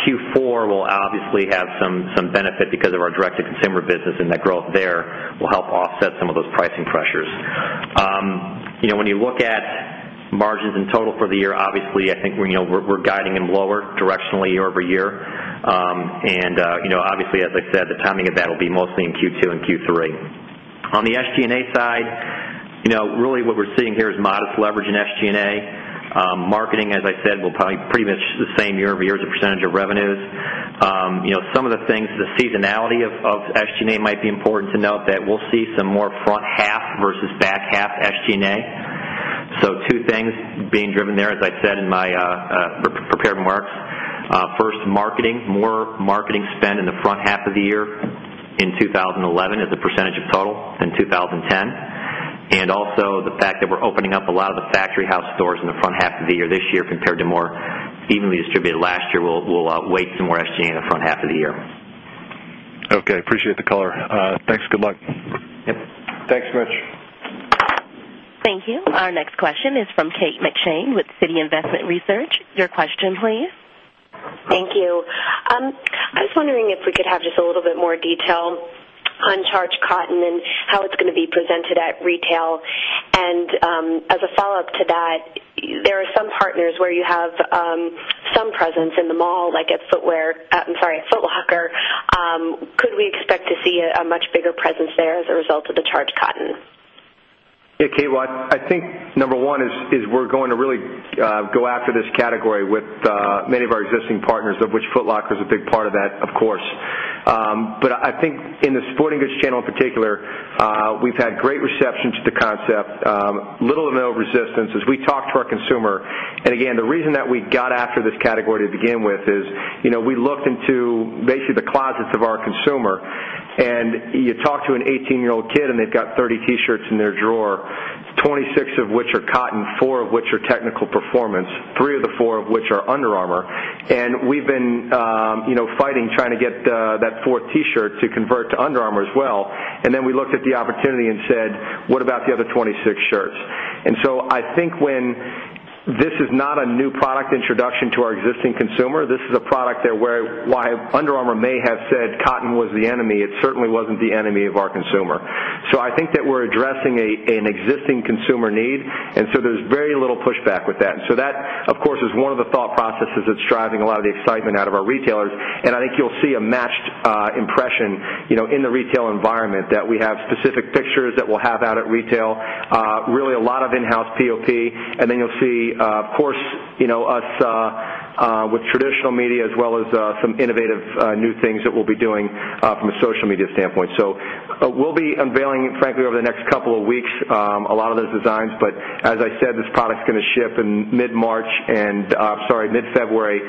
Q4 will obviously have some benefit because of our direct to consumer business and that growth there will help offset some of those pricing pressures. When you look at margins in total for the year, obviously, I think we're guiding them lower directionally year over year. And obviously, as I said, the timing of that will be mostly in Q2 and Q3. On the SG and A side, really what we're seeing here is modest leverage in SG and A. Marketing, as I said, will probably pretty much the same year over year as a percentage of revenues. Some of the things the seasonality of SG and A might be important to note that we'll see some more front half versus back half SG and A. So two things being driven there as I said in my prepared remarks. First marketing, more marketing spend in the front half of the year in 2011 as a percentage of total in 2010. And also the fact that we're opening up a lot of the factory house stores in the front half of the year this year compared to more evenly distributed last year, we'll wait some more SG and A in the front half of the year. Okay. Appreciate the color. Thanks. Good luck. Yes. Thanks, Mitch. Thank you. Our next question is from Kate McShane with Citi Investment Research. Your question please. Thank you. I was wondering if we could have just a little bit more detail on Charged Cotton and how it's going to be presented at retail. And as a follow-up to that, there are some partners where you have some presence in the mall like at Footwear I'm sorry, at Foot Locker. Could we expect to see a much bigger presence there as a result of the charge cotton? Yes, Kaywad. I think number 1 is we're going to really go after this category with many of our existing partners, of which Foot Locker is a big part of that, of course. But I think in the sporting goods channel in particular, we've had great reception to the concept, little or no resistance as we talk to our consumer. And again, the reason that we got after this category to begin with is we looked into basically the closets of our consumer and you talk to an 18 year old kid and they've got 30 T shirts in their drawer, 26 of which are cotton, 4 of which are technical performance, 3 of the 4 which are Under Armour, and we've been fighting trying to get that 4th t shirt to convert to Under Armour as well, And then we looked at the opportunity and said, what about the other 26 shirts? And so I think when this is not a new product introduction to our existing consumer, this is a product that where why Under Armour may have said cotton was the enemy, it certainly wasn't the enemy of our consumer. So I think that we're addressing an existing consumer need and so there's very little pushback with that. And so that, of course, is one of the thought processes that's driving a lot of the excitement out of our retailers, and I think you'll see a matched impression in the retail environment that we have specific pictures that we'll have out at retail, really a lot of in house POP. And then you'll see, of course, us with traditional media as well as some innovative new things that we'll be doing from a social media standpoint. So we'll be unveiling frankly over the next couple of weeks a lot of those designs. But as I said, this product is going to ship in mid March and sorry, mid February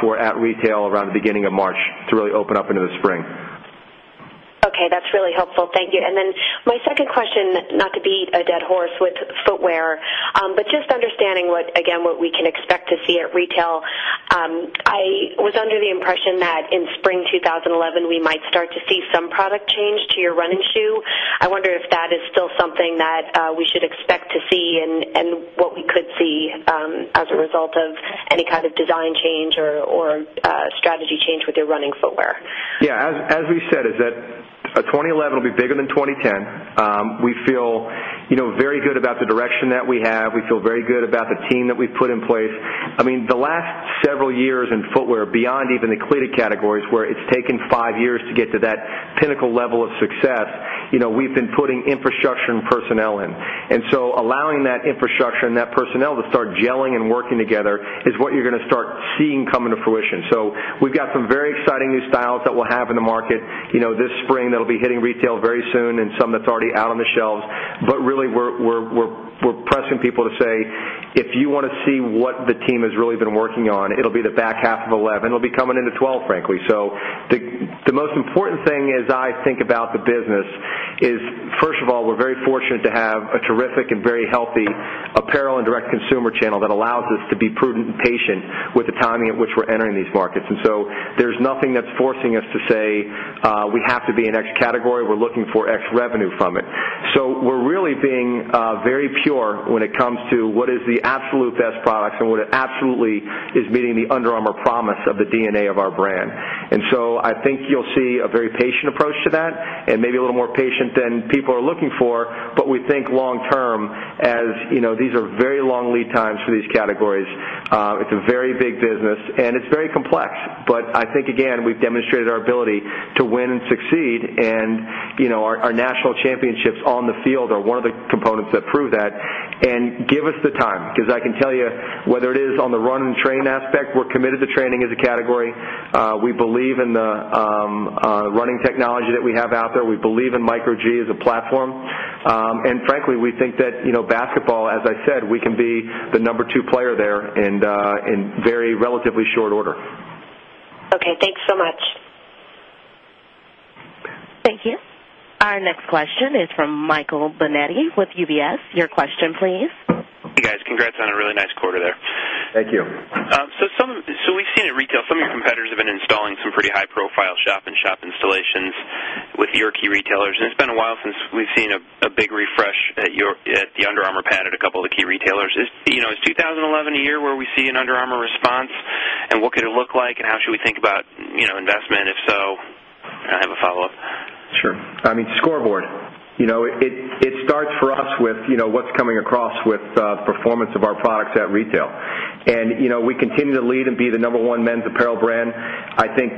for at retail around the beginning of March to really open up into the spring. Okay. That's really helpful. Thank you. And then my second question, not to beat a dead horse with footwear, but just understanding what again what we can expect to see at retail. I was under the impression that in spring 2011, we might start to see some product change to your run and shoe. I wonder if that is still something that we should expect to see and what we could see as a result of any kind of design change or strategy change with your running footwear? Yes. As we said is that 2011 will be bigger than 2010. We feel very good about the direction that we have. We feel very good about the team that we've put in place. I mean the last several years in footwear beyond even the cleaner categories where it's taken 5 years to get to that pinnacle level of success, we've been putting that personnel to start gelling and working together is what you're going to start seeing coming to fruition. So we've got some very exciting new styles that we'll have in the market this spring that will be hitting retail very soon and some that's already out on the shelves. But really we're pressing people to say, if you want to see what the team has really been working on, it'll be the back half of 'eleven. It'll be coming into 'twelve, frankly. So the most important thing as I think about the business is, first of all, we're very fortunate to have a terrific and very healthy apparel and direct to consumer channel that allows us to be prudent and patient with the timing at which we're entering markets. And so there's nothing that's forcing us to say, we have to be in X category, we're looking for X revenue from it. So we're really being very pure when it comes to what is the absolute best products and what absolutely is meeting the Under Armour promise of the DNA of our brand. And so I think you'll see a very patient approach to that and maybe a little more patient than people are looking for, but we think long term as these are very long lead times for these categories. It's a very big business and it's very complex. But I think again, we've demonstrated our ability to win and succeed. And our national championships on the field are one of the components that prove that. And give us the time because I can tell you whether it is on the run and train we're committed to training as a category. We believe in the running technology that we have out there. We believe in Micro G as a platform. And frankly, we think that basketball, as I said, we can be the number 2 player there in very relatively short order. Okay. Thanks so much. Thank you. Our next question is from Michael Binetti with UBS. Your question please. Congrats on a really nice quarter there. Thank you. So we've seen in retail, some of your competitors have been installing some pretty high profile shop in shop installations with your key retailers. And it's been a while since we've seen a big refresh at your at the Under Armour pad at a couple of the key retailers. Is 2011 a year where see an Under Armour response? And what could it look like? And how should we think about investment? If so, I have a follow-up. Sure. I mean scoreboard, it starts for us with what's coming across with performance of our products at retail. And we continue to lead and be the number 1 men's apparel brand. I think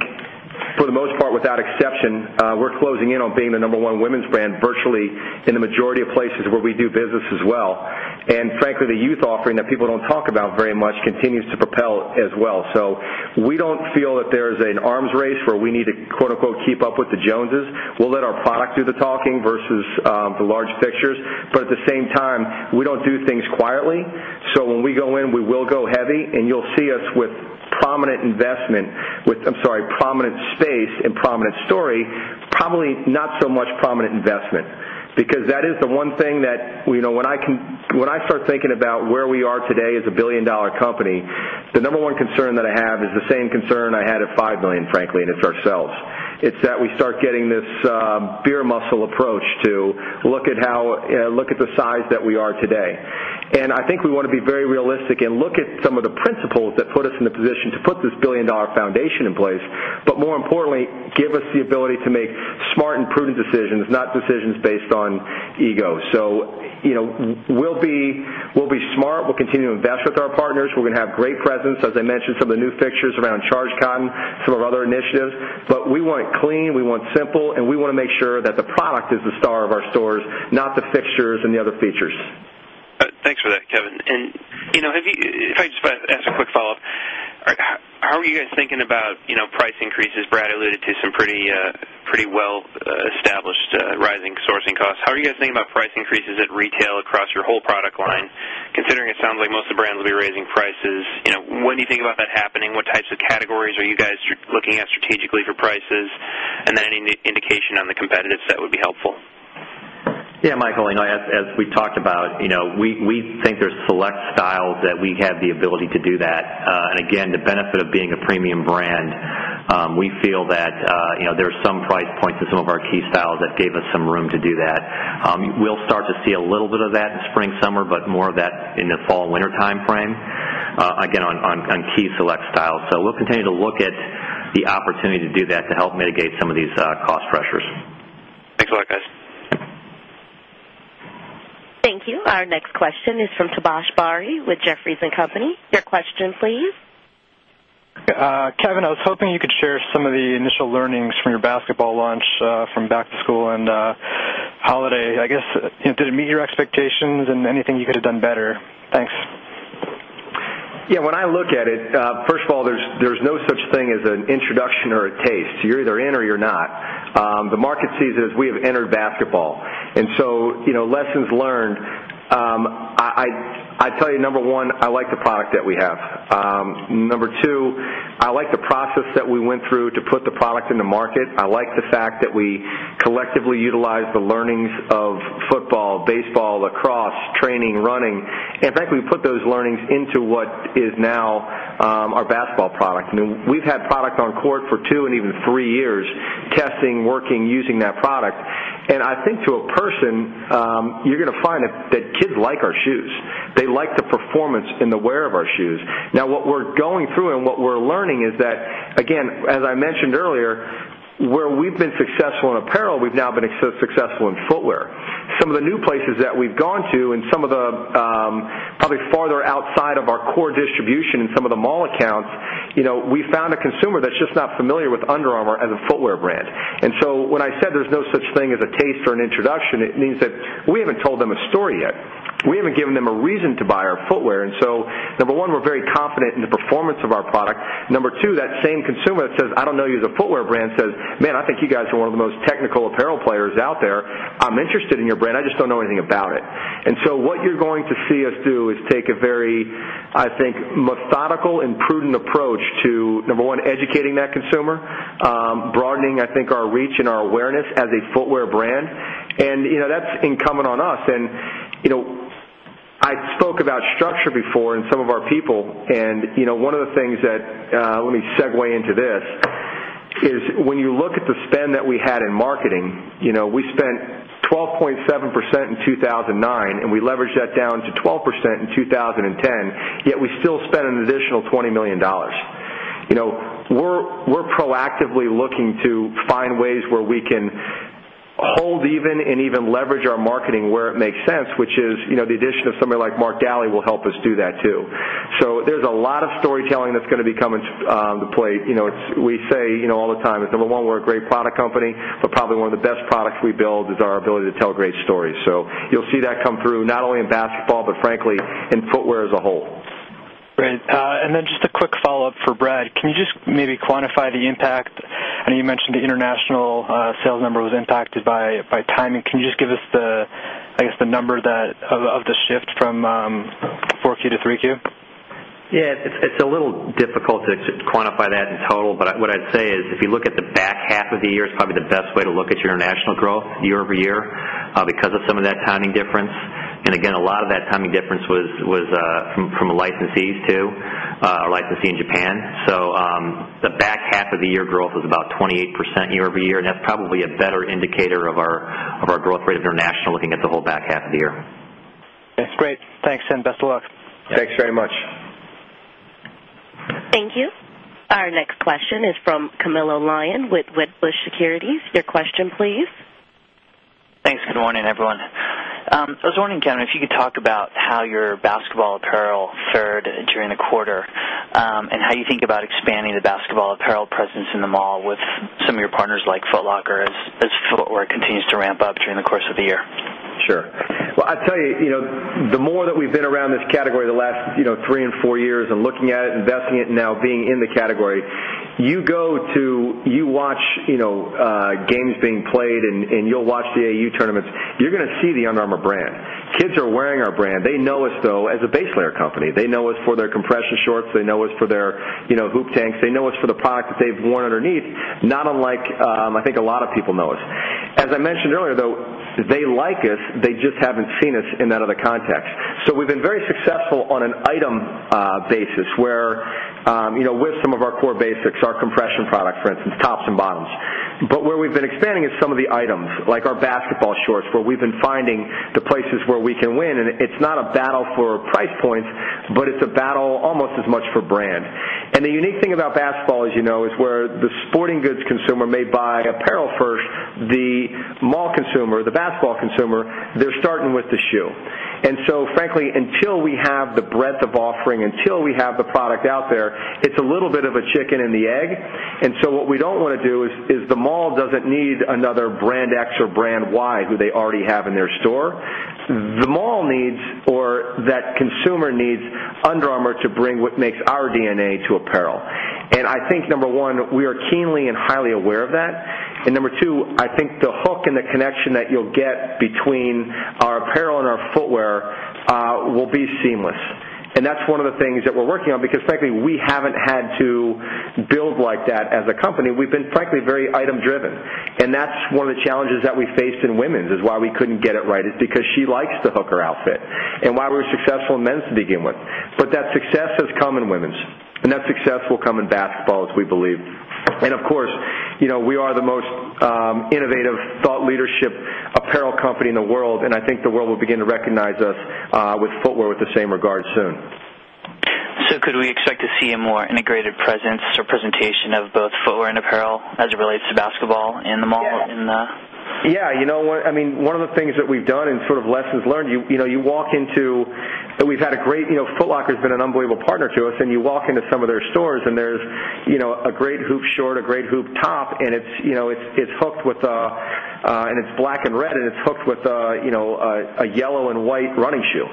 for the most part without exception, we're closing in on being the number 1 women's brand virtually in the majority of places where we do business as well. And frankly, the youth offering that people don't talk about very much continues to propel as well. So we don't feel that there is an arms race where we need to keep up with the Joneses. We'll let our product do the talking versus the large pictures, but at the same time, we don't do things quietly. So when we go in, we will go heavy and you'll see us with prominent investment with I'm sorry, prominent space and prominent story, probably not so much prominent investment because that is the one thing that when I can when I start thinking about where we are today as a $1,000,000,000 company, the number one concern that I have is the same concern I had at $1,000,000 frankly and it's ourselves. It's that we start getting this beer muscle approach to look at how look at the size that we are today. And I think we want to be very realistic and look at some of the principles that put us in a position to put this $1,000,000,000 foundation in place, but more importantly, give us the ability to make smart and prudent decisions, not decisions based on ego. So we'll be smart. We'll continue to invest with our partners. We're going to have great presence, as I mentioned, some of the new fixtures around charge cotton, some of our other initiatives. But we want it clean, we want simple, and we want to make sure that the product is the star of stores, not the fixtures and the other features. Thanks for that, Kevin. And if I just ask a quick follow-up, how are you guys thinking about price increases? Brad alluded to some pretty well established rising sourcing costs. How are you guys thinking about price increases at retail across your whole product line considering it sounds like most of the brands will be raising prices? When do you think about that happening? What types of categories are you guys looking at strategically for prices? And then any indication on the competitive set would be helpful. Yes, Michael. As we talked about, we think there's select styles that we have the ability to do that. And again, the benefit of being a premium brand, we feel that there are some price points to some of our key styles that gave us some room to do that. We'll start to see a little bit of that in springsummer, but more of that in the fallwinter timeframe, again, on key select styles. So we'll continue to look at the opportunity to do that to help mitigate some of these cost pressures. Thanks a lot, guys. Thank you. Our next question is from Tabas Bari with Jefferies and Company. Your question, please. Kevin, I was hoping you could share some of the initial learnings from your basketball launch from back to school and holiday. I guess, did it meet your expectations? And anything you could have done better? Thanks. Yes. When I look at it, first of all, there's no such thing as an introduction I'd tell you, number 1, I like the product that we have. I'd tell you number 1, I like the product that we have. Number 2, I like the process that we went through to put the product in the market. I like the that we collectively utilize the learnings of football, baseball, lacrosse, training, running. In fact, we put those learnings into what is now our basketball product. I mean, we've had product on court for 2 and even 3 years, testing, working, using that product. And I think to a person, you're going to find that kids like our shoes. They like the performance and the wear of our shoes. Now what we're going through and what we're learning is that, again, as I mentioned earlier, where we've been successful in apparel, we've now been successful in footwear. Some of the new places that we've gone to and some of the probably farther outside of our core distribution in some of the mall accounts, we found a consumer that's just not familiar with Under Armour as a footwear brand. And so when I said there's no such thing as a taste or an introduction, it means that we haven't told them a story yet. We haven't given them a reason to buy our footwear. And so number 1, we're very confident in the performance of our product. Number 2, that same consumer that says, I don't know you as a footwear brand says, man, I think you guys are one of the most technical apparel players out there. I'm interested in your brand. I just don't know anything about it. And so what you're going to see us do is take a very, I think, methodical and broadening, I think, our reach and our awareness as a footwear brand. And that's incumbent on us. And I spoke about structure before in some of our people and one of the things that let me segue into this is when you look at the spend that we had in marketing, we spent 12 0.7% in 2,009, and we leveraged that down to 12% in 2010, yet we still spent an additional $20,000,000 We're proactively looking to find ways where we can hold even and even leverage our marketing where it makes sense, which is the addition of somebody like Mark Galli will help us do that too. So there's a lot of storytelling that's going to be coming to play. We say all the time is number 1, we're a great product company, but probably one of the best products we build is our ability to tell great stories. So you'll see that come through not only in basketball, but frankly in footwear as a whole. Great. And then just a quick follow-up for Brad. Can you just maybe quantify the impact? I know you mentioned the international sales number was impacted by timing. Can you just give us the, I guess, the number that of the shift from 4Q to 3Q? Yes, it's a little difficult to quantify that in total. But what I'd say is, if you look at the back half of the year, it's probably the best way to look at your international growth year over year because of some of that timing difference. And again, a lot of that timing difference was from licensees too, licensee in Japan. So, the back half of the year growth was about 28% year over year and that's probably a better indicator of our growth rate international looking at the whole back half of the year. That's great. Thanks and best of luck. Thanks very much. Thank you. Our next question is from Camilo Lyon with Wedbush Securities. Your question please. Thanks. Good morning everyone. I was wondering, Kevin, if you could talk about how your basketball apparel fared during the quarter and how you think about expanding the basketball apparel presence in the mall with some of your partners like Foot Locker as Footwear continues to ramp up during the course of the year? Sure. Well, I'd tell you, the more that we've been around this category the last 3 4 years and looking at it, investing it and now being in the category, you go to you watch games being played and you'll watch the AU tournaments, you're going to see the Under Armour brand. Kids are wearing our brand. Know us though as a base layer company. They know us for their compression shorts. They know us for their boop tanks. They know us for the product that they've worn underneath, not unlike, I think a lot of people know us. As I mentioned earlier, though, they like us, they just haven't seen us in that other context. So we've been very successful on an item basis where with some of our core basics, our compression product, for instance, tops and bottoms. But where we've been expanding is some of the items like our basketball shorts where we've been finding the places where we can win and it's not a battle for price points, but it's a battle almost as much for brand. And the unique thing about basketball as you know is where the sporting goods consumer may buy apparel first, the mall consumer, the basketball consumer, they're starting with the shoe. And so frankly, until we have the breadth of offering, until we have the product out there, it's a little bit of a chicken and the egg. And so what we don't want to do is the mall doesn't need another brand X or brand Y who they already have in their store. The mall needs or that consumer needs Under Armour to bring what makes our DNA to apparel. And I think number 1, we are keenly and highly aware of that. And number 2, I think the hook and the connection that you'll get between our apparel and our footwear will be seamless. And that's one of the things that we're working on because frankly, we haven't had to build like that as a company. We've been frankly very item driven. And that's one of the challenges that we faced in women's is why we couldn't get it right is because she likes the Hooker outfit and why we're successful in men's to begin with. But that success has come in women's, and that success will come in basketball as we believe. And of course, we are the most innovative thought leadership apparel company in the world and I think the world will begin to recognize us with footwear with the same regard soon. So could we expect to see a more integrated presence or presentation of both footwear and apparel as it relates to basketball and the model in the Yes. I mean, one of the things that we've done and sort of lessons learned, you walk into we've had a great Foot Locker has been an unbelievable partner to us and you walk into some of their stores and there's a great hoop short, a great hoop top and it's hooked with and it's black and red and it's hooked with a yellow and white running shoe.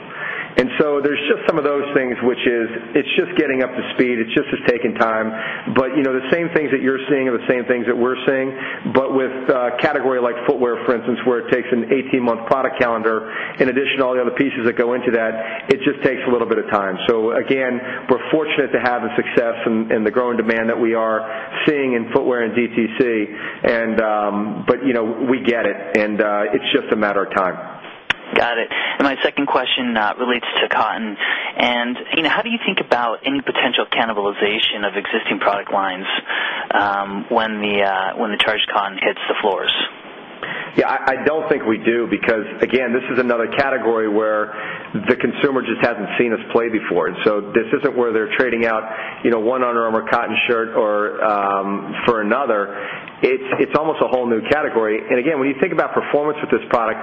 And so there's just some of those things, which is it's just getting up to speed, it's just taking time. But the same things that you're seeing are the same things that we're seeing. But with a category like footwear, for instance, where it takes an 18 month product calendar, in addition to all the other pieces that go into that, it just takes a little bit of time. So again, we're fortunate to have a success in the growing demand that we are seeing in footwear and DTC. And but we get it, and it's just a matter of time. Got it. And my second question relates to cotton. And how do you think about any potential cannibalization of existing product lines when the charge con hits the floors? Yes, I don't think we do because, again, this is another category where the consumer just hasn't seen us play before. And so this isn't where they're trading out 1 Under Armour cotton shirt or for another. It's almost a whole new category. And again, when you think about performance with this product,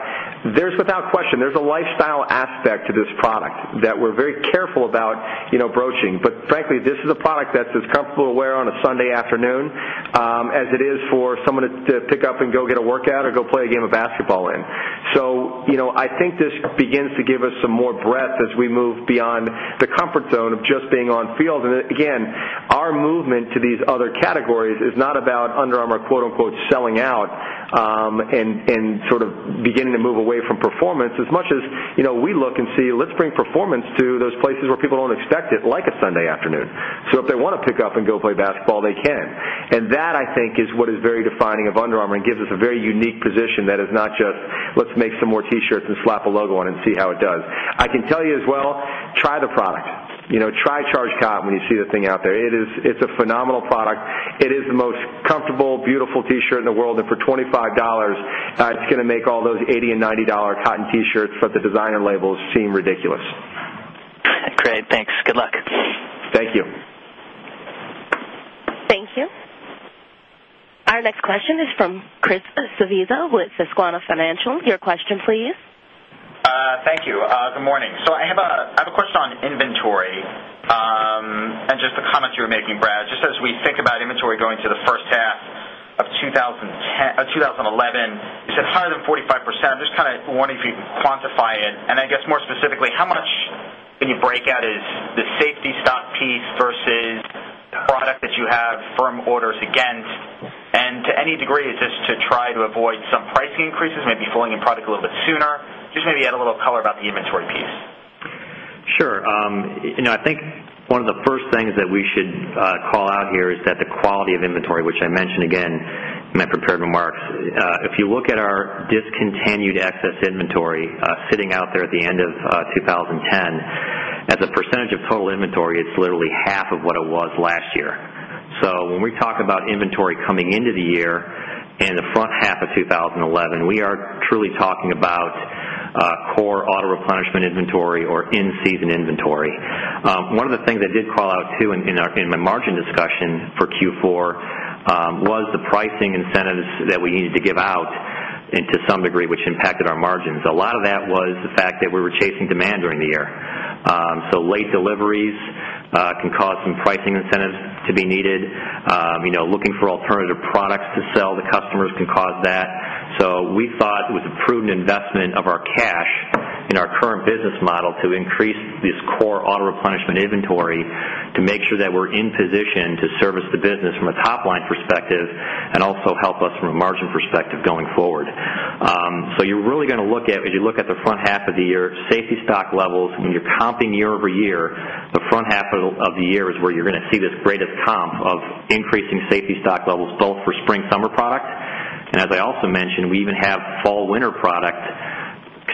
there's without question, there's a lifestyle aspect to this product that we're very careful about broaching. But frankly, this is a product that's as comfortable to wear on a Sunday afternoon as it is for someone to pick up and go get a workout or go play a game of basketball in. So I think this begins to give us some more breadth as we move beyond the comfort zone of just being on field. And again, our movement to these other categories is not about Under Armour selling out and sort of beginning to move away from performance as much as we look and see let's bring performance to those places where people don't expect it like a Sunday afternoon. So if they want to pick up and go play basketball they can. And that I think is what is very defining of Under Armour and gives us a very unique position that is not just let's make some more t shirts and slap a logo on and see how it does. I can tell you as well, try the product. Try Charge Cotton when you see the thing out there. It's a phenomenal product. It is the most comfortable, beautiful t shirt in the world. And for $25 it's going to make all those $80 $90 cotton T shirts for the design and labels seem ridiculous. Great. Thanks. Good luck. Thank you. Thank you. Our next question is from Chris Svezia with Susquehanna Financial. Your question please. Thank you. Good morning. So, I have a question on inventory and just the comments you were making Brad. Just as we think about inventory going to the first half of 2011, you said 145%. I'm just kind of wondering if you could quantify it. And I guess more specifically, how much of your breakout is the safety stock piece versus product that you have firm orders against? And to any degree, is this to try to avoid some pricing increases, maybe falling in product a little bit sooner? Just maybe add a little color about the inventory piece. Sure. I think one of the first things that we should call out here is that the quality of inventory, which I mentioned again in my prepared remarks. If you look at our discontinued inventory sitting out there at the end of 2010, as a percentage of total inventory, it's literally half of what it was last year. So when we talk about inventory coming into the year and the front half of twenty eleven, we are truly talking about core auto replenishment inventory or in season inventory. One of the things I did call out too in my margin discussion for Q4 was the pricing incentives that we needed to give out into some degree, which impacted our margins. A lot of that was the fact that we were chasing demand during the year. So late deliveries can cause some pricing incentives to be needed. Looking for alternative products to sell to customers can cause that. So we thought it was a prudent investment of our cash in our current business model to increase this core auto replenishment inventory to make sure that we're in position to service the business from a top line perspective and also help us from a margin perspective going forward. So you're really going to look at as you look at the front half of the year safety stock levels and you're comping year over year, the front half of the year is where you're going to see this great comp of increasing safety stock levels both for springsummer product. And as I also mentioned, we even have fallwinter product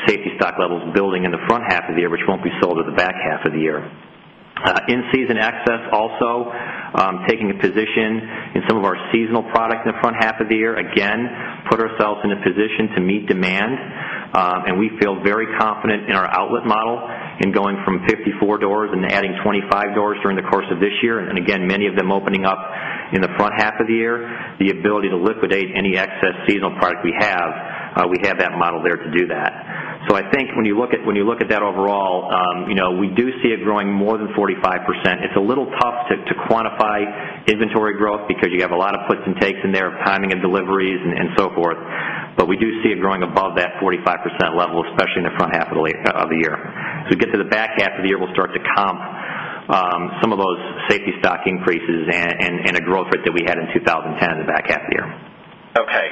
safety stock levels building in the front half of the year, which won't be sold at the back half of the year. In season access also taking a position in some of our seasonal product in the front half of the year, again, put ourselves in a position to meet demand. And we feel very confident in our outlet model in going from 54 doors and adding 25 doors during the course of this year. And again, many of them opening up in the front half of the year, the ability to liquidate any excess seasonal product we have, we have that model there to do that. So I think when you look at that overall, we do see it growing more than 45%. It's a little tough to quantify inventory growth because you have a lot puts and takes in there, timing of deliveries and so forth. But we do see it growing above that 45% level especially in the front half of the year. As we get to the back half of the year, we'll start to comp some of those safety stock increases and a growth rate that we had in 2010 in the back half of the year. Okay,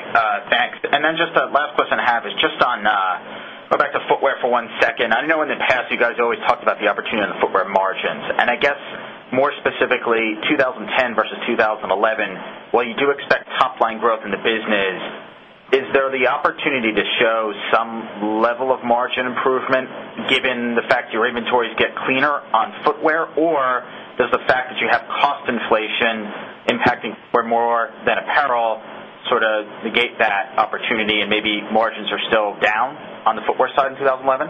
thanks. And then just last question I have is just on go back to footwear for one second. I know in the past you guys always talked about the opportunity in the footwear margins. And I guess more specifically, 2010 versus 2011, while you do expect top line growth in the business, is there fact that you have cost inflation impacting footwear more than apparel sort of negate that opportunity and maybe margins are still down on the footwear side in 2011?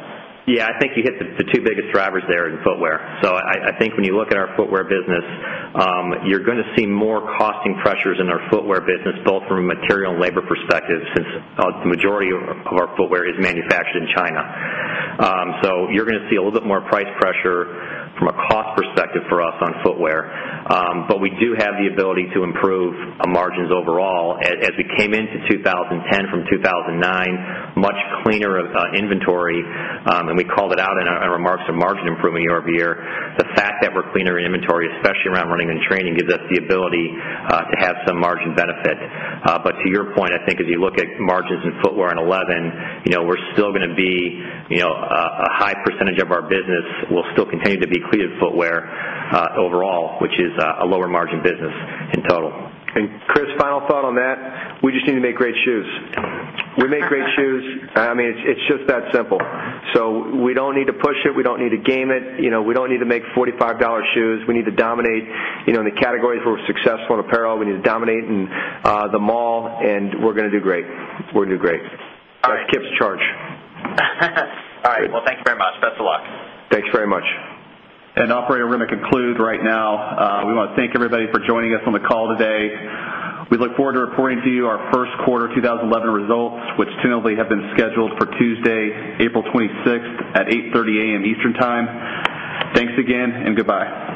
Yes, I think you hit the 2 biggest drivers there in footwear. So I think when you look at our footwear business, you're going to see more cost pressures in our footwear business both from a material and labor perspective since the majority of our footwear is manufactured in China. So you're going to see a little bit more price pressure from a cost perspective for us on footwear. But we do have the ability to improve margins overall as we came into 20 10 from 2,009 much cleaner inventory and we called it out in our remarks on margin improvement year over year. The fact that we're cleaner inventory especially around running and training gives us the ability to have some margin benefit. But to your point, I think as you look at margins in footwear in 11, we're still going to be a high percentage of our business will still continue to be cleated footwear overall, which is a lower margin business in total. And Chris, final thought on that. We just need to make great shoes. We make great shoes. I mean, it's just that simple. So we don't need to push it. We don't need to game it. We don't need to make $45 shoes. We need to dominate in the categories where we're successful in apparel. We need to dominate in the mall, and we're going to do great. We're going to do great. That's the case charge. All right. Well, thanks very much. Best of luck. Thanks very much. And operator, we're going to conclude right now. We want to thank everybody for joining us on the call today. We look forward to reporting to you our Q1 2011 results, which generally have been scheduled for Tuesday, April 26 at 8:30 am Eastern Time. Thanks again and goodbye.